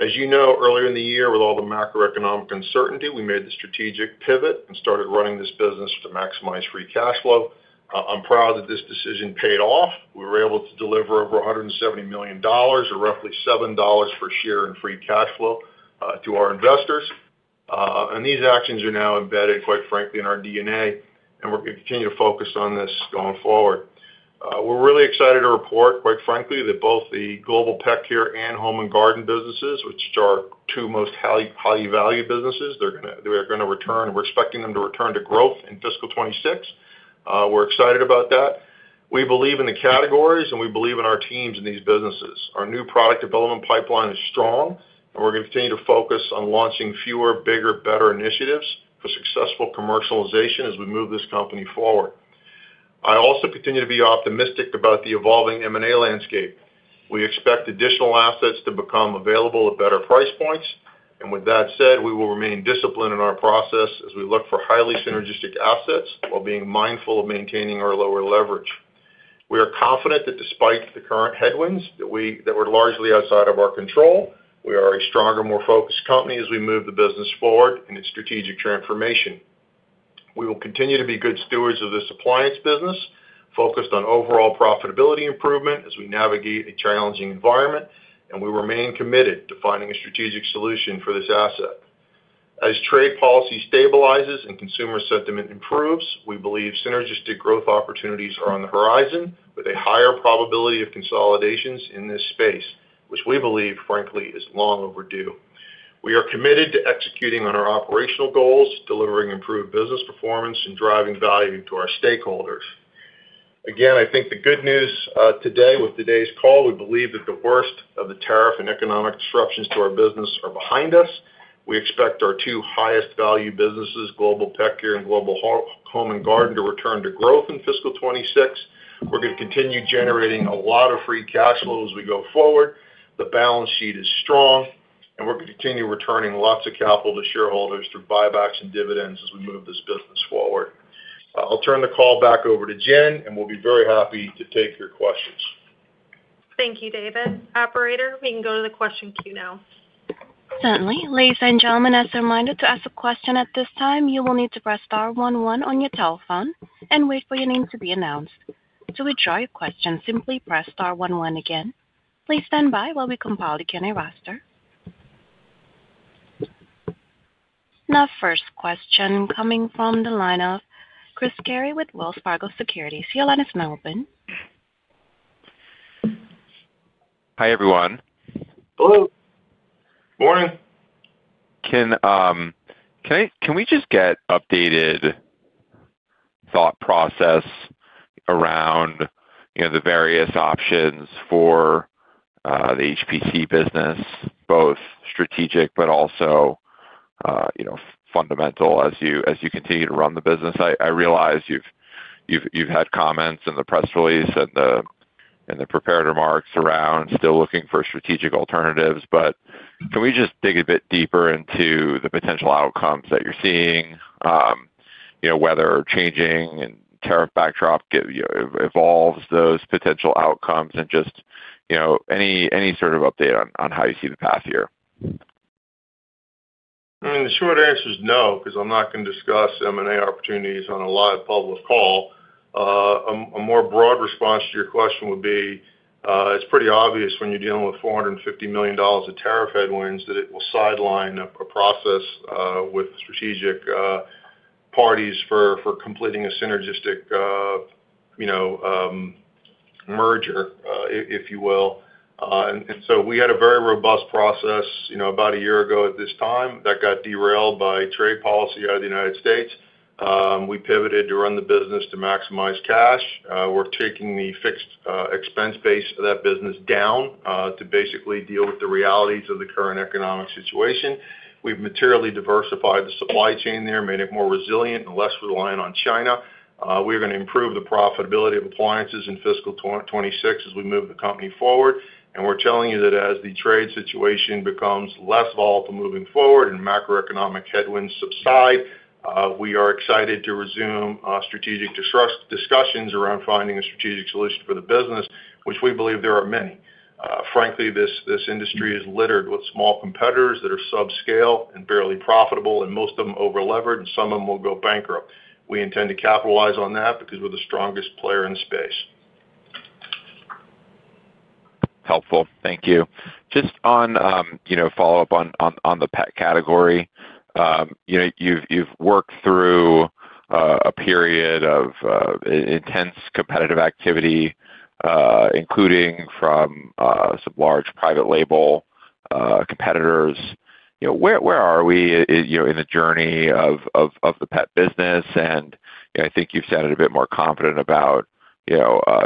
[SPEAKER 3] As you know, earlier in the year, with all the macroeconomic uncertainty, we made the strategic pivot and started running this business to maximize free cash flow. I'm proud that this decision paid off. We were able to deliver over $170 million, or roughly $7 per share in free cash flow, to our investors. These actions are now embedded, quite frankly, in our DNA, and we're going to continue to focus on this going forward. We're really excited to report, quite frankly, that both the Global Pet Care and Home & Garden businesses, which are our two most highly valued businesses, they're going to return. We're expecting them to return to growth in fiscal 2026. We're excited about that. We believe in the categories, and we believe in our teams in these businesses. Our new product development pipeline is strong, and we're going to continue to focus on launching fewer, bigger, better initiatives for successful commercialization as we move this company forward. I also continue to be optimistic about the evolving M&A landscape. We expect additional assets to become available at better price points. With that said, we will remain disciplined in our process as we look for highly synergistic assets while being mindful of maintaining our lower leverage. We are confident that despite the current headwinds, that are largely outside of our control, we are a stronger, more focused company as we move the business forward in its strategic transformation. We will continue to be good stewards of this appliance business, focused on overall profitability improvement as we navigate a challenging environment, and we remain committed to finding a strategic solution for this asset. As trade policy stabilizes and consumer sentiment improves, we believe synergistic growth opportunities are on the horizon with a higher probability of consolidations in this space, which we believe, frankly, is long overdue. We are committed to executing on our operational goals, delivering improved business performance, and driving value to our stakeholders. Again, I think the good news today with today's call, we believe that the worst of the tariff and economic disruptions to our business are behind us. We expect our two highest valued businesses, Global Pet Care and Global Home & Garden, to return to growth in fiscal 2026. We're going to continue generating a lot of free cash flow as we go forward. The balance sheet is strong, and we're going to continue returning lots of capital to shareholders through buybacks and dividends as we move this business forward. I'll turn the call back over to Jen, and we'll be very happy to take your questions.
[SPEAKER 2] Thank you, David. Operator, we can go to the question queue now.
[SPEAKER 1] Certainly. Ladies and gentlemen, as a reminder to ask a question at this time, you will need to press star one, one on your telephone and wait for your name to be announced. To withdraw your question, simply press star 11 again. Please stand by while we compile the Q&A roster. Now, first question coming from the line of Chris Carey with Wells Fargo Securities. Your line is now open.
[SPEAKER 5] Hi everyone.
[SPEAKER 3] Hello. Morning.
[SPEAKER 5] Can we just get an updated thought process around the various options for the HPC business, both strategic but also fundamental as you continue to run the business? I realize you've had comments in the press release and the prepared remarks around still looking for strategic alternatives, but can we just dig a bit deeper into the potential outcomes that you're seeing, whether changing and tariff backdrop evolves those potential outcomes, and just any sort of update on how you see the path here?
[SPEAKER 3] The short answer is no, because I'm not going to discuss M&A opportunities on a live public call. A more broad response to your question would be it's pretty obvious when you're dealing with $450 million of tariff headwinds that it will sideline a process with strategic parties for completing a synergistic merger, if you will. We had a very robust process about a year ago at this time that got derailed by trade policy out of the United States. We pivoted to run the business to maximize cash. We're taking the fixed expense base of that business down to basically deal with the realities of the current economic situation. We've materially diversified the supply chain there, made it more resilient and less reliant on China. We're going to improve the profitability of appliances in fiscal 2026 as we move the company forward. We're telling you that as the trade situation becomes less volatile moving forward and macroeconomic headwinds subside, we are excited to resume strategic discussions around finding a strategic solution for the business, which we believe there are many. Frankly, this industry is littered with small competitors that are subscale and barely profitable, and most of them overlevered, and some of them will go bankrupt. We intend to capitalize on that because we're the strongest player in the space.
[SPEAKER 5] Helpful. Thank you. Just on follow-up on the pet category, you've worked through a period of intense competitive activity, including from some large private label competitors. Where are we in the journey of the pet business? I think you've sounded a bit more confident about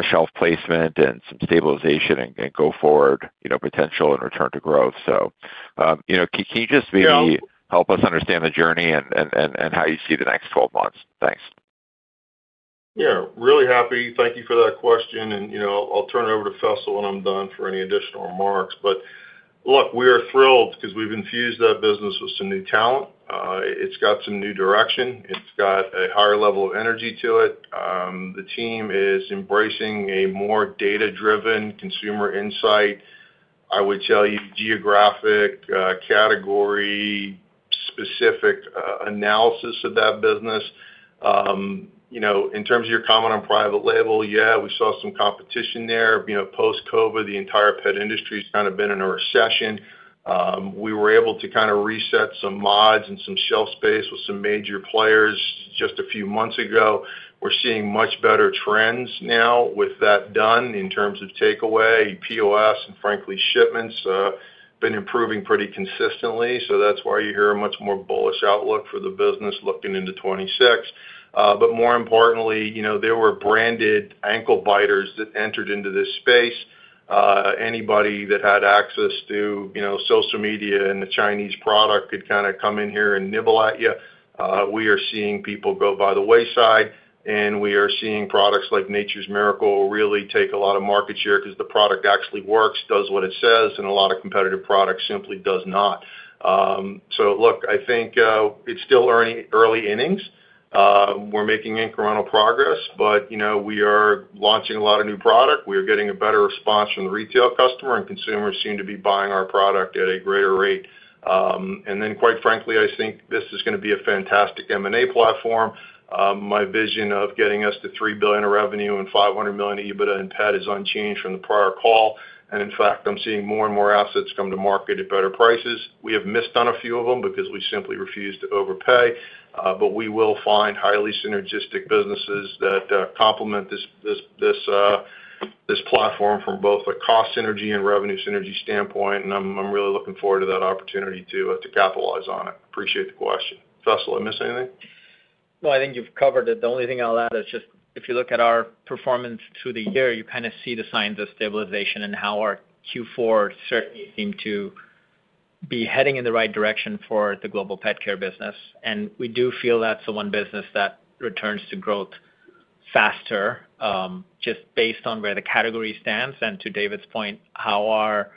[SPEAKER 5] shelf placement and some stabilization and go forward potential and return to growth. Can you just maybe help us understand the journey and how you see the next 12 months? Thanks.
[SPEAKER 3] Yeah. Really happy. Thank you for that question. I'll turn it over to Faisal when I'm done for any additional remarks. Look, we are thrilled because we've infused that business with some new talent. It's got some new direction. It's got a higher level of energy to it. The team is embracing a more data-driven consumer insight. I would tell you geographic category-specific analysis of that business. In terms of your comment on private label, yeah, we saw some competition there. Post-COVID, the entire pet industry has kind of been in a recession. We were able to kind of reset some mods and some shelf space with some major players just a few months ago. We are seeing much better trends now with that done in terms of takeaway, POS, and frankly, shipments have been improving pretty consistently. That is why you hear a much more bullish outlook for the business looking into 2026. More importantly, there were branded ankle biters that entered into this space. Anybody that had access to social media and a Chinese product could kind of come in here and nibble at you. We are seeing people go by the wayside, and we are seeing products like Nature's Miracle really take a lot of market share because the product actually works, does what it says, and a lot of competitive products simply do not. Look, I think it's still early innings. We are making incremental progress, but we are launching a lot of new product. We are getting a better response from the retail customer, and consumers seem to be buying our product at a greater rate. Quite frankly, I think this is going to be a fantastic M&A platform. My vision of getting us to $3 billion of revenue and $500 million EBITDA in pet is unchanged from the prior call. In fact, I am seeing more and more assets come to market at better prices. We have missed on a few of them because we simply refused to overpay. We will find highly synergistic businesses that complement this platform from both a cost synergy and revenue synergy standpoint. I am really looking forward to that opportunity to capitalize on it. Appreciate the question. Faisal, did I miss anything?
[SPEAKER 4] No, I think you have covered it. The only thing I will add is just if you look at our performance through the year, you kind of see the signs of stabilization and how our Q4 certainly seemed to be heading in the right direction for the global pet care business. We do feel that is the one business that returns to growth faster just based on where the category stands. To David's point, how our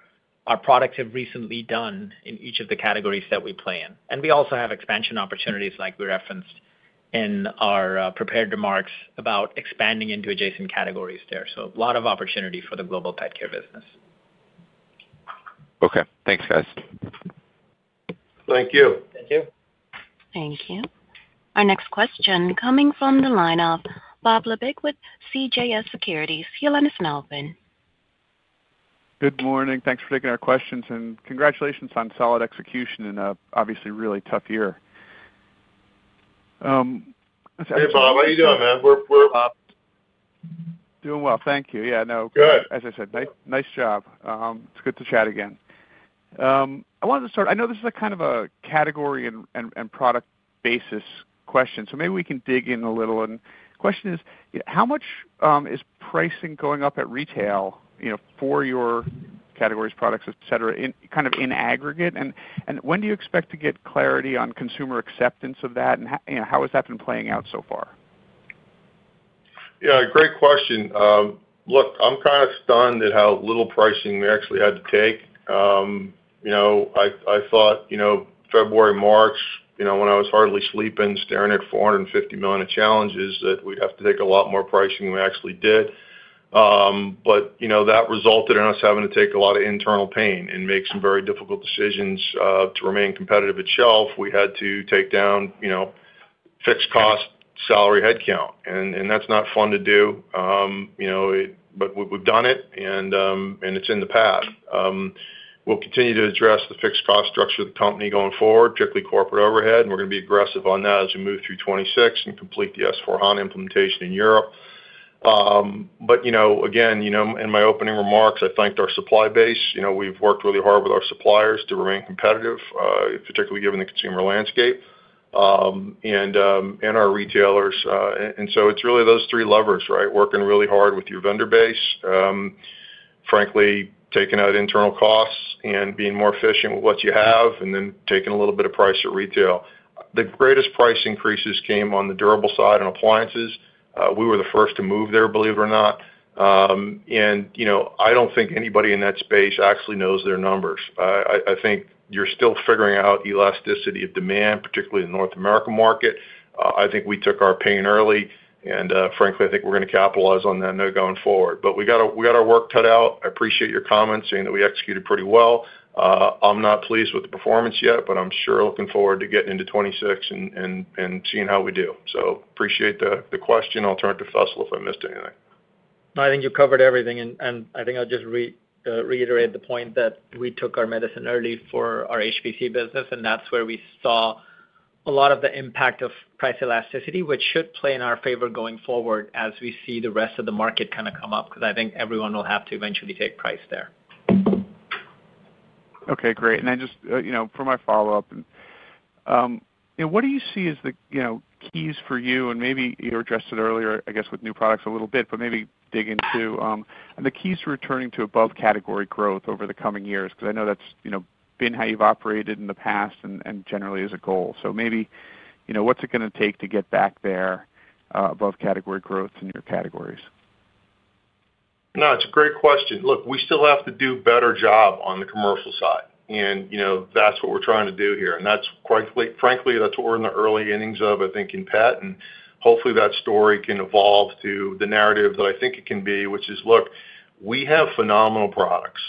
[SPEAKER 4] products have recently done in each of the categories that we play in. We also have expansion opportunities like we referenced in our prepared remarks about expanding into adjacent categories there. So a lot of opportunity for the Global Pet Care business.
[SPEAKER 5] Okay. Thanks, guys.
[SPEAKER 3] Thank you.
[SPEAKER 4] Thank you.
[SPEAKER 1] Thank you. Our next question coming from the line of Bob LeBig with CJS Securities. Your line is, now open.
[SPEAKER 6] Good morning. Thanks for taking our questions, and congratulations on solid execution in an obviously really tough year.
[SPEAKER 3] Hey, Bob. How are you doing, man?
[SPEAKER 7] Doing well. Thank you. Yeah, no. Good. As I said, nice job. It's good to chat again. I wanted to start, I know this is kind of a category and product basis question, so maybe we can dig in a little. And the question is, how much is pricing going up at retail for your categories, products, etc., kind of in aggregate? And when do you expect to get clarity on consumer acceptance of that, and how has that been playing out so far?
[SPEAKER 3] Yeah, great question. Look, I'm kind of stunned at how little pricing we actually had to take. I thought February, March, when I was hardly sleeping, staring at $450 million challenges, that we'd have to take a lot more pricing than we actually did. That resulted in us having to take a lot of internal pain and make some very difficult decisions to remain competitive at shelf. We had to take down fixed cost salary headcount, and that's not fun to do. We've done it, and it's in the past. We'll continue to address the fixed cost structure of the company going forward, particularly corporate overhead. We're going to be aggressive on that as we move through 2026 and complete the S/4HANA implementation in Europe. Again, in my opening remarks, I thanked our supply base. We've worked really hard with our suppliers to remain competitive, particularly given the consumer landscape and our retailers. It is really those three levers, right? Working really hard with your vendor base, frankly, taking out internal costs and being more efficient with what you have, and then taking a little bit of price at retail. The greatest price increases came on the durable side in appliances. We were the first to move there, believe it or not. I do not think anybody in that space actually knows their numbers. I think you are still figuring out elasticity of demand, particularly in the North America market. I think we took our pain early, and frankly, I think we are going to capitalize on that note going forward. We have our work cut out. I appreciate your comments saying that we executed pretty well. I'm not pleased with the performance yet, but I'm sure looking forward to getting into 2026 and seeing how we do. I appreciate the question. I'll turn it to Faisal if I missed anything.
[SPEAKER 4] No, I think you covered everything. I think I'll just reiterate the point that we took our medicine early for our HPC business, and that's where we saw a lot of the impact of price elasticity, which should play in our favor going forward as we see the rest of the market kind of come up because I think everyone will have to eventually take price there.
[SPEAKER 7] Okay, great. Just for my follow-up, what do you see as the keys for you? Maybe you addressed it earlier, I guess, with new products a little bit, but maybe dig into the keys to returning to above category growth over the coming years because I know that has been how you have operated in the past and generally as a goal. Maybe what is it going to take to get back there above category growth in your categories?
[SPEAKER 3] No, it is a great question. Look, we still have to do a better job on the commercial side, and that is what we are trying to do here. Frankly, that is what we are in the early innings of, I think, in pet. Hopefully, that story can evolve to the narrative that I think it can be, which is, look, we have phenomenal products.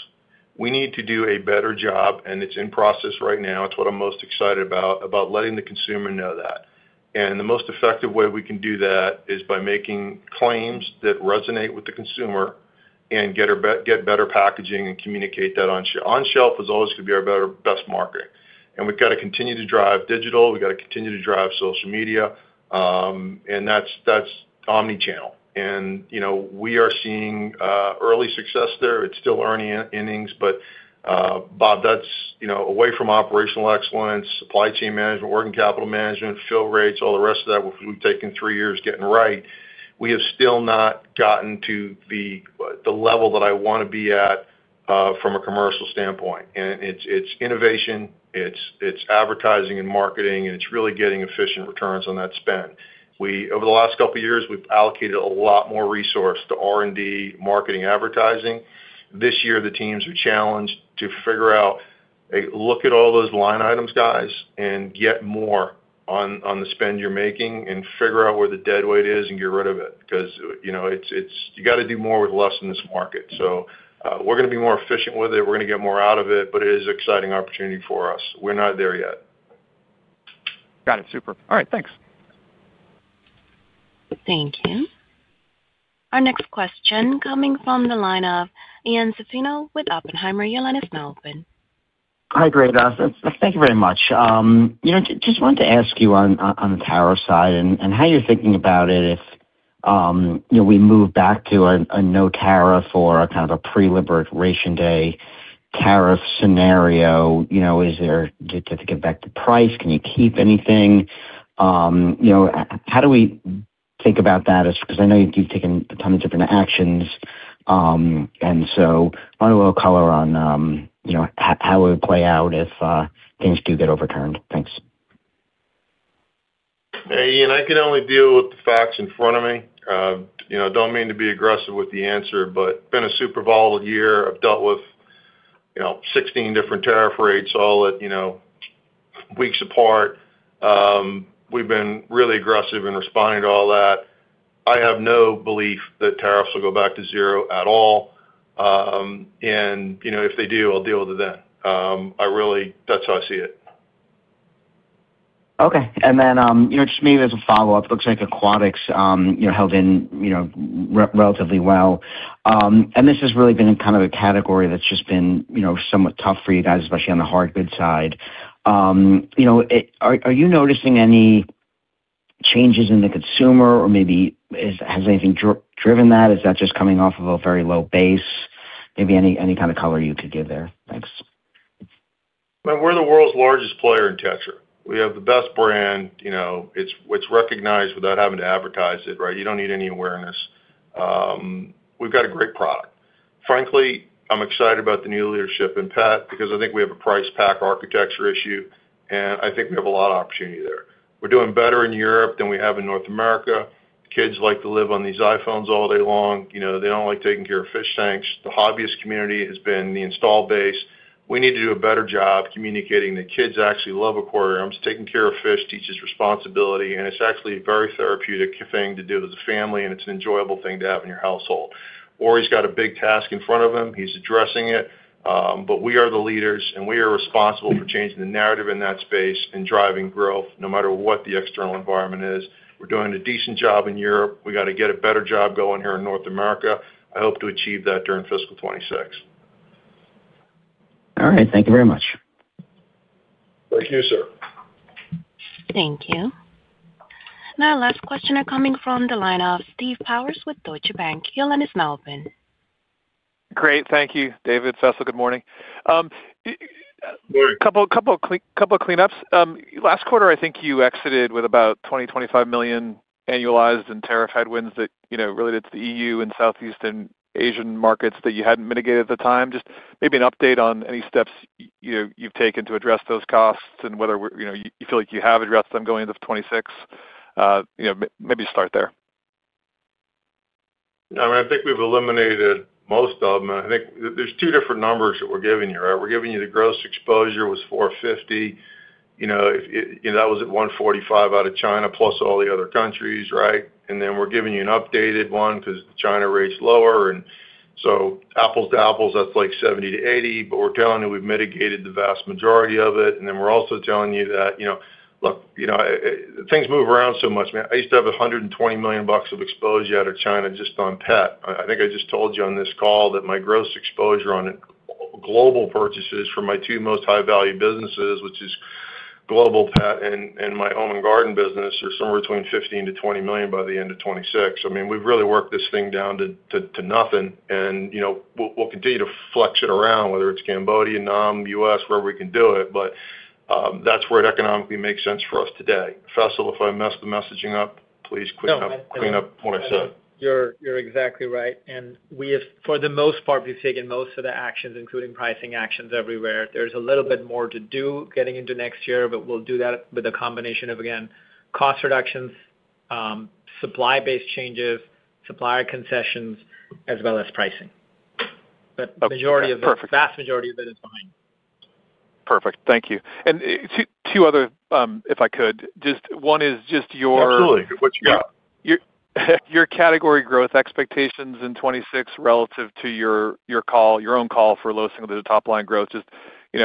[SPEAKER 3] We need to do a better job, and it is in process right now. It is what I am most excited about, about letting the consumer know that. The most effective way we can do that is by making claims that resonate with the consumer and get better packaging and communicate that on shelf. On shelf is always going to be our best market. We have to continue to drive digital. We have to continue to drive social media. That is omnichannel. We are seeing early success there. It is still early innings. Bob, that is away from operational excellence, supply chain management, working capital management, fill rates, all the rest of that, which we have taken three years getting right. We have still not gotten to the level that I want to be at from a commercial standpoint. It is innovation, it is advertising and marketing, and it is really getting efficient returns on that spend. Over the last couple of years, we have allocated a lot more resources to R&D, marketing, advertising. This year, the teams are challenged to figure out, look at all those line items, guys, and get more on the spend you're making and figure out where the dead weight is and get rid of it because you got to do more with less in this market. We are going to be more efficient with it. We are going to get more out of it, but it is an exciting opportunity for us. We are not there yet.
[SPEAKER 7] Got it. Super. All right. Thanks.
[SPEAKER 1] Thank you. Our next question coming from the line of Ian Zaffino with Oppenheimer. Your line is now open.
[SPEAKER 8] Hi, great. Thank you very much. Just wanted to ask you on the tariff side and how you're thinking about it if we move back to a no tariff or kind of a pre-liberation day tariff scenario. Is there to get back the price? Can you keep anything? How do we think about that? Because I know you've taken a ton of different actions. And so I'll color on how it would play out if things do get overturned. Thanks.
[SPEAKER 3] Hey, Ian, I can only deal with the facts in front of me. Do not mean to be aggressive with the answer, but it's been a super volatile year. I've dealt with 16 different tariff rates all at weeks apart. We've been really aggressive in responding to all that. I have no belief that tariffs will go back to zero at all. And if they do, I'll deal with it then. That's how I see it.
[SPEAKER 8] Okay. And then just maybe as a follow-up, it looks like Aquatics held in relatively well. And this has really been kind of a category that's just been somewhat tough for you guys, especially on the hard good side. Are you noticing any changes in the consumer, or maybe has anything driven that? Is that just coming off of a very low base? Maybe any kind of color you could give there. Thanks.
[SPEAKER 3] We're the world's largest player in Tetra. We have the best brand. It's recognized without having to advertise it, right? You don't need any awareness. We've got a great product. Frankly, I'm excited about the new leadership in pet because I think we have a price pack architecture issue, and I think we have a lot of opportunity there. We're doing better in Europe than we have in North America. Kids like to live on these iPhones all day long. They don't like taking care of fish tanks. The hobbyist community has been the install base. We need to do a better job communicating that kids actually love aquariums. Taking care of fish teaches responsibility, and it's actually a very therapeutic thing to do with the family, and it's an enjoyable thing to have in your household. Ori's got a big task in front of him. He's addressing it. We are the leaders, and we are responsible for changing the narrative in that space and driving growth no matter what the external environment is. We're doing a decent job in Europe. We got to get a better job going here in North America. I hope to achieve that during fiscal 2026.
[SPEAKER 8] All right. Thank you very much.
[SPEAKER 3] Thank you, sir.
[SPEAKER 1] Thank you. Now, last question coming from the line of Steve Powers with Deutsche Bank. Your line is now open.
[SPEAKER 9] Great. Thank you, David. Faisal, good morning.
[SPEAKER 3] Good morning.
[SPEAKER 9] Couple of cleanups. Last quarter, I think you exited with about $20 million-$25 million annualized in tariff headwinds that related to the EU and Southeast Asian markets that you had not mitigated at the time. Just maybe an update on any steps you have taken to address those costs and whether you feel like you have addressed them going into 2026. Maybe start there.
[SPEAKER 3] I mean, I think we have eliminated most of them. I think there are two different numbers that we are giving you, right? We are giving you the gross exposure was $450 million. That was at $145 million out of China plus all the other countries, right? And then we are giving you an updated one because China rates lower. And so apples to apples, that is like $70-$80 million, but we are telling you we have mitigated the vast majority of it. And then we are also telling you that, look, things move around so much. I used to have $120 million of exposure out of China just on pet. I think I just told you on this call that my gross exposure on global purchases for my two most high-value businesses, which is Global Pet Care and my Home & Garden business, are somewhere between $15 million-$20 million by the end of 2026. I mean, we've really worked this thing down to nothing. I will continue to flex it around, whether it's Cambodia, Vietnam, U.S., wherever we can do it. That is where it economically makes sense for us today. Faisal, if I messed the messaging up, please clean up what I said.
[SPEAKER 4] No, you're exactly right. For the most part, we've taken most of the actions, including pricing actions everywhere. There's a little bit more to do getting into next year, but we'll do that with a combination of, again, cost reductions, supply-based changes, supplier concessions, as well as pricing. The vast majority of it is fine.
[SPEAKER 9] Perfect. Thank you. Two other, if I could. Just one is just your, absolutely, what you got, your category growth expectations in 2026 relative to your own call for low single-digit top-line growth, just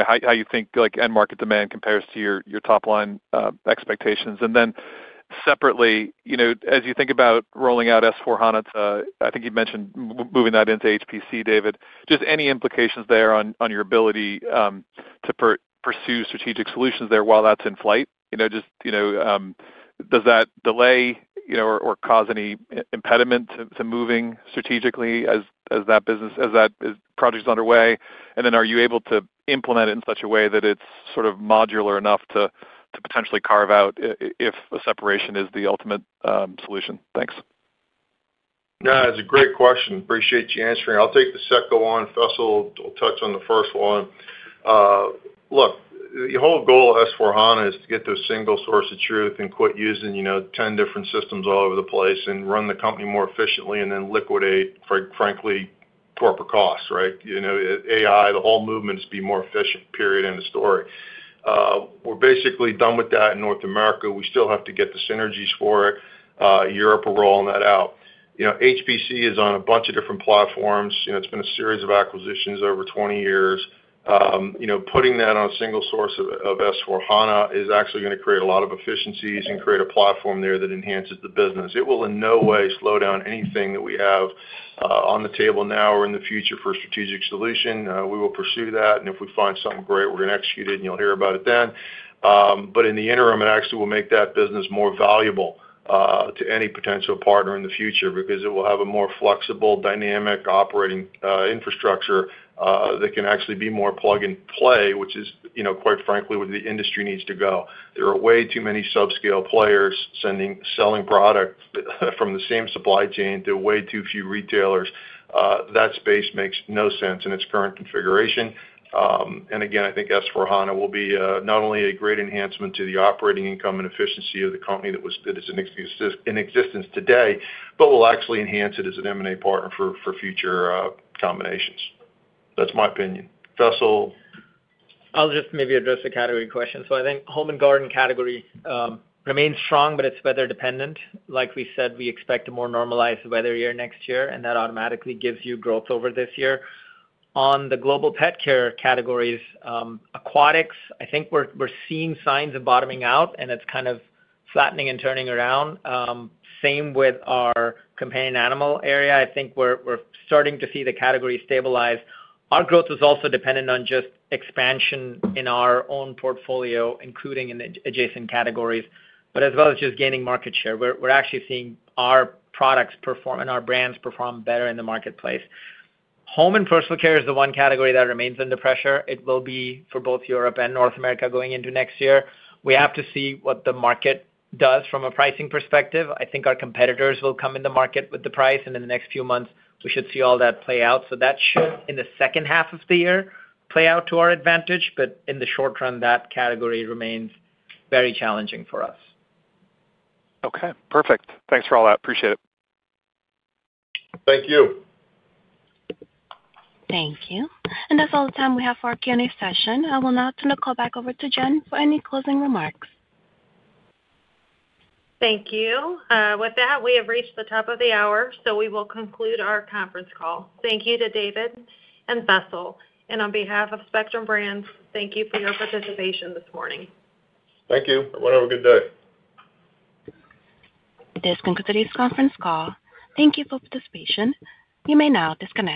[SPEAKER 9] how you think end market demand compares to your top-line expectations. Then separately, as you think about rolling out S/4HANA, I think you mentioned moving that into Home & Personal Care, David. Just any implications there on your ability to pursue strategic solutions there while that's in flight? Just does that delay or cause any impediment to moving strategically as that project is underway? Are you able to implement it in such a way that it is sort of modular enough to potentially carve out if a separation is the ultimate solution? Thanks.
[SPEAKER 3] No, that is a great question. Appreciate you answering. I will take the second one. Faisal will touch on the first one. Look, the whole goal of S/4HANA is to get those single sources of truth and quit using 10 different systems all over the place and run the company more efficiently and then liquidate, frankly, corporate costs, right? AI, the whole movement is to be more efficient, period, end of story. We are basically done with that in North America. We still have to get the synergies for it. Europe is rolling that out. Home & Personal Care is on a bunch of different platforms. It has been a series of acquisitions over 20 years. Putting that on a single source of S/4HANA is actually going to create a lot of efficiencies and create a platform there that enhances the business. It will in no way slow down anything that we have on the table now or in the future for a strategic solution. We will pursue that. If we find something great, we're going to execute it, and you'll hear about it then. In the interim, it actually will make that business more valuable to any potential partner in the future because it will have a more flexible, dynamic operating infrastructure that can actually be more plug-and-play, which is, quite frankly, where the industry needs to go. There are way too many subscale players selling product from the same supply chain to way too few retailers. That space makes no sense in its current configuration. I think S/4HANA will be not only a great enhancement to the operating income and efficiency of the company that is in existence today, but will actually enhance it as an M&A partner for future combinations. That is my opinion. Faisal.
[SPEAKER 4] I'll just maybe address the category question. I think Home & Garden category remains strong, but it is weather-dependent. Like we said, we expect a more normalized weather year next year, and that automatically gives you growth over this year. On the Global Pet Care categories, Aquatics, I think we are seeing signs of bottoming out, and it is kind of flattening and turning around. Same with our companion animal area. I think we are starting to see the category stabilize. Our growth is also dependent on just expansion in our own portfolio, including in adjacent categories, but as well as just gaining market share. We're actually seeing our products perform and our brands perform better in the marketplace. Home and personal care is the one category that remains under pressure. It will be for both Europe and North America going into next year. We have to see what the market does from a pricing perspective. I think our competitors will come in the market with the price, and in the next few months, we should see all that play out. That should, in the second half of the year, play out to our advantage. In the short run, that category remains very challenging for us.
[SPEAKER 9] Okay. Perfect. Thanks for all that. Appreciate it.
[SPEAKER 3] Thank you.
[SPEAKER 1] Thank you. That is all the time we have for our Q&A session. I will now turn the call back over to Jen for any closing remarks.
[SPEAKER 2] Thank you. With that, we have reached the top of the hour, so we will conclude our conference call. Thank you to David and Faisal. On behalf of Spectrum Brands, thank you for your participation this morning.
[SPEAKER 3] Thank you. Have a good day.
[SPEAKER 1] This concludes today's conference call. Thank you for your participation. You may now disconnect.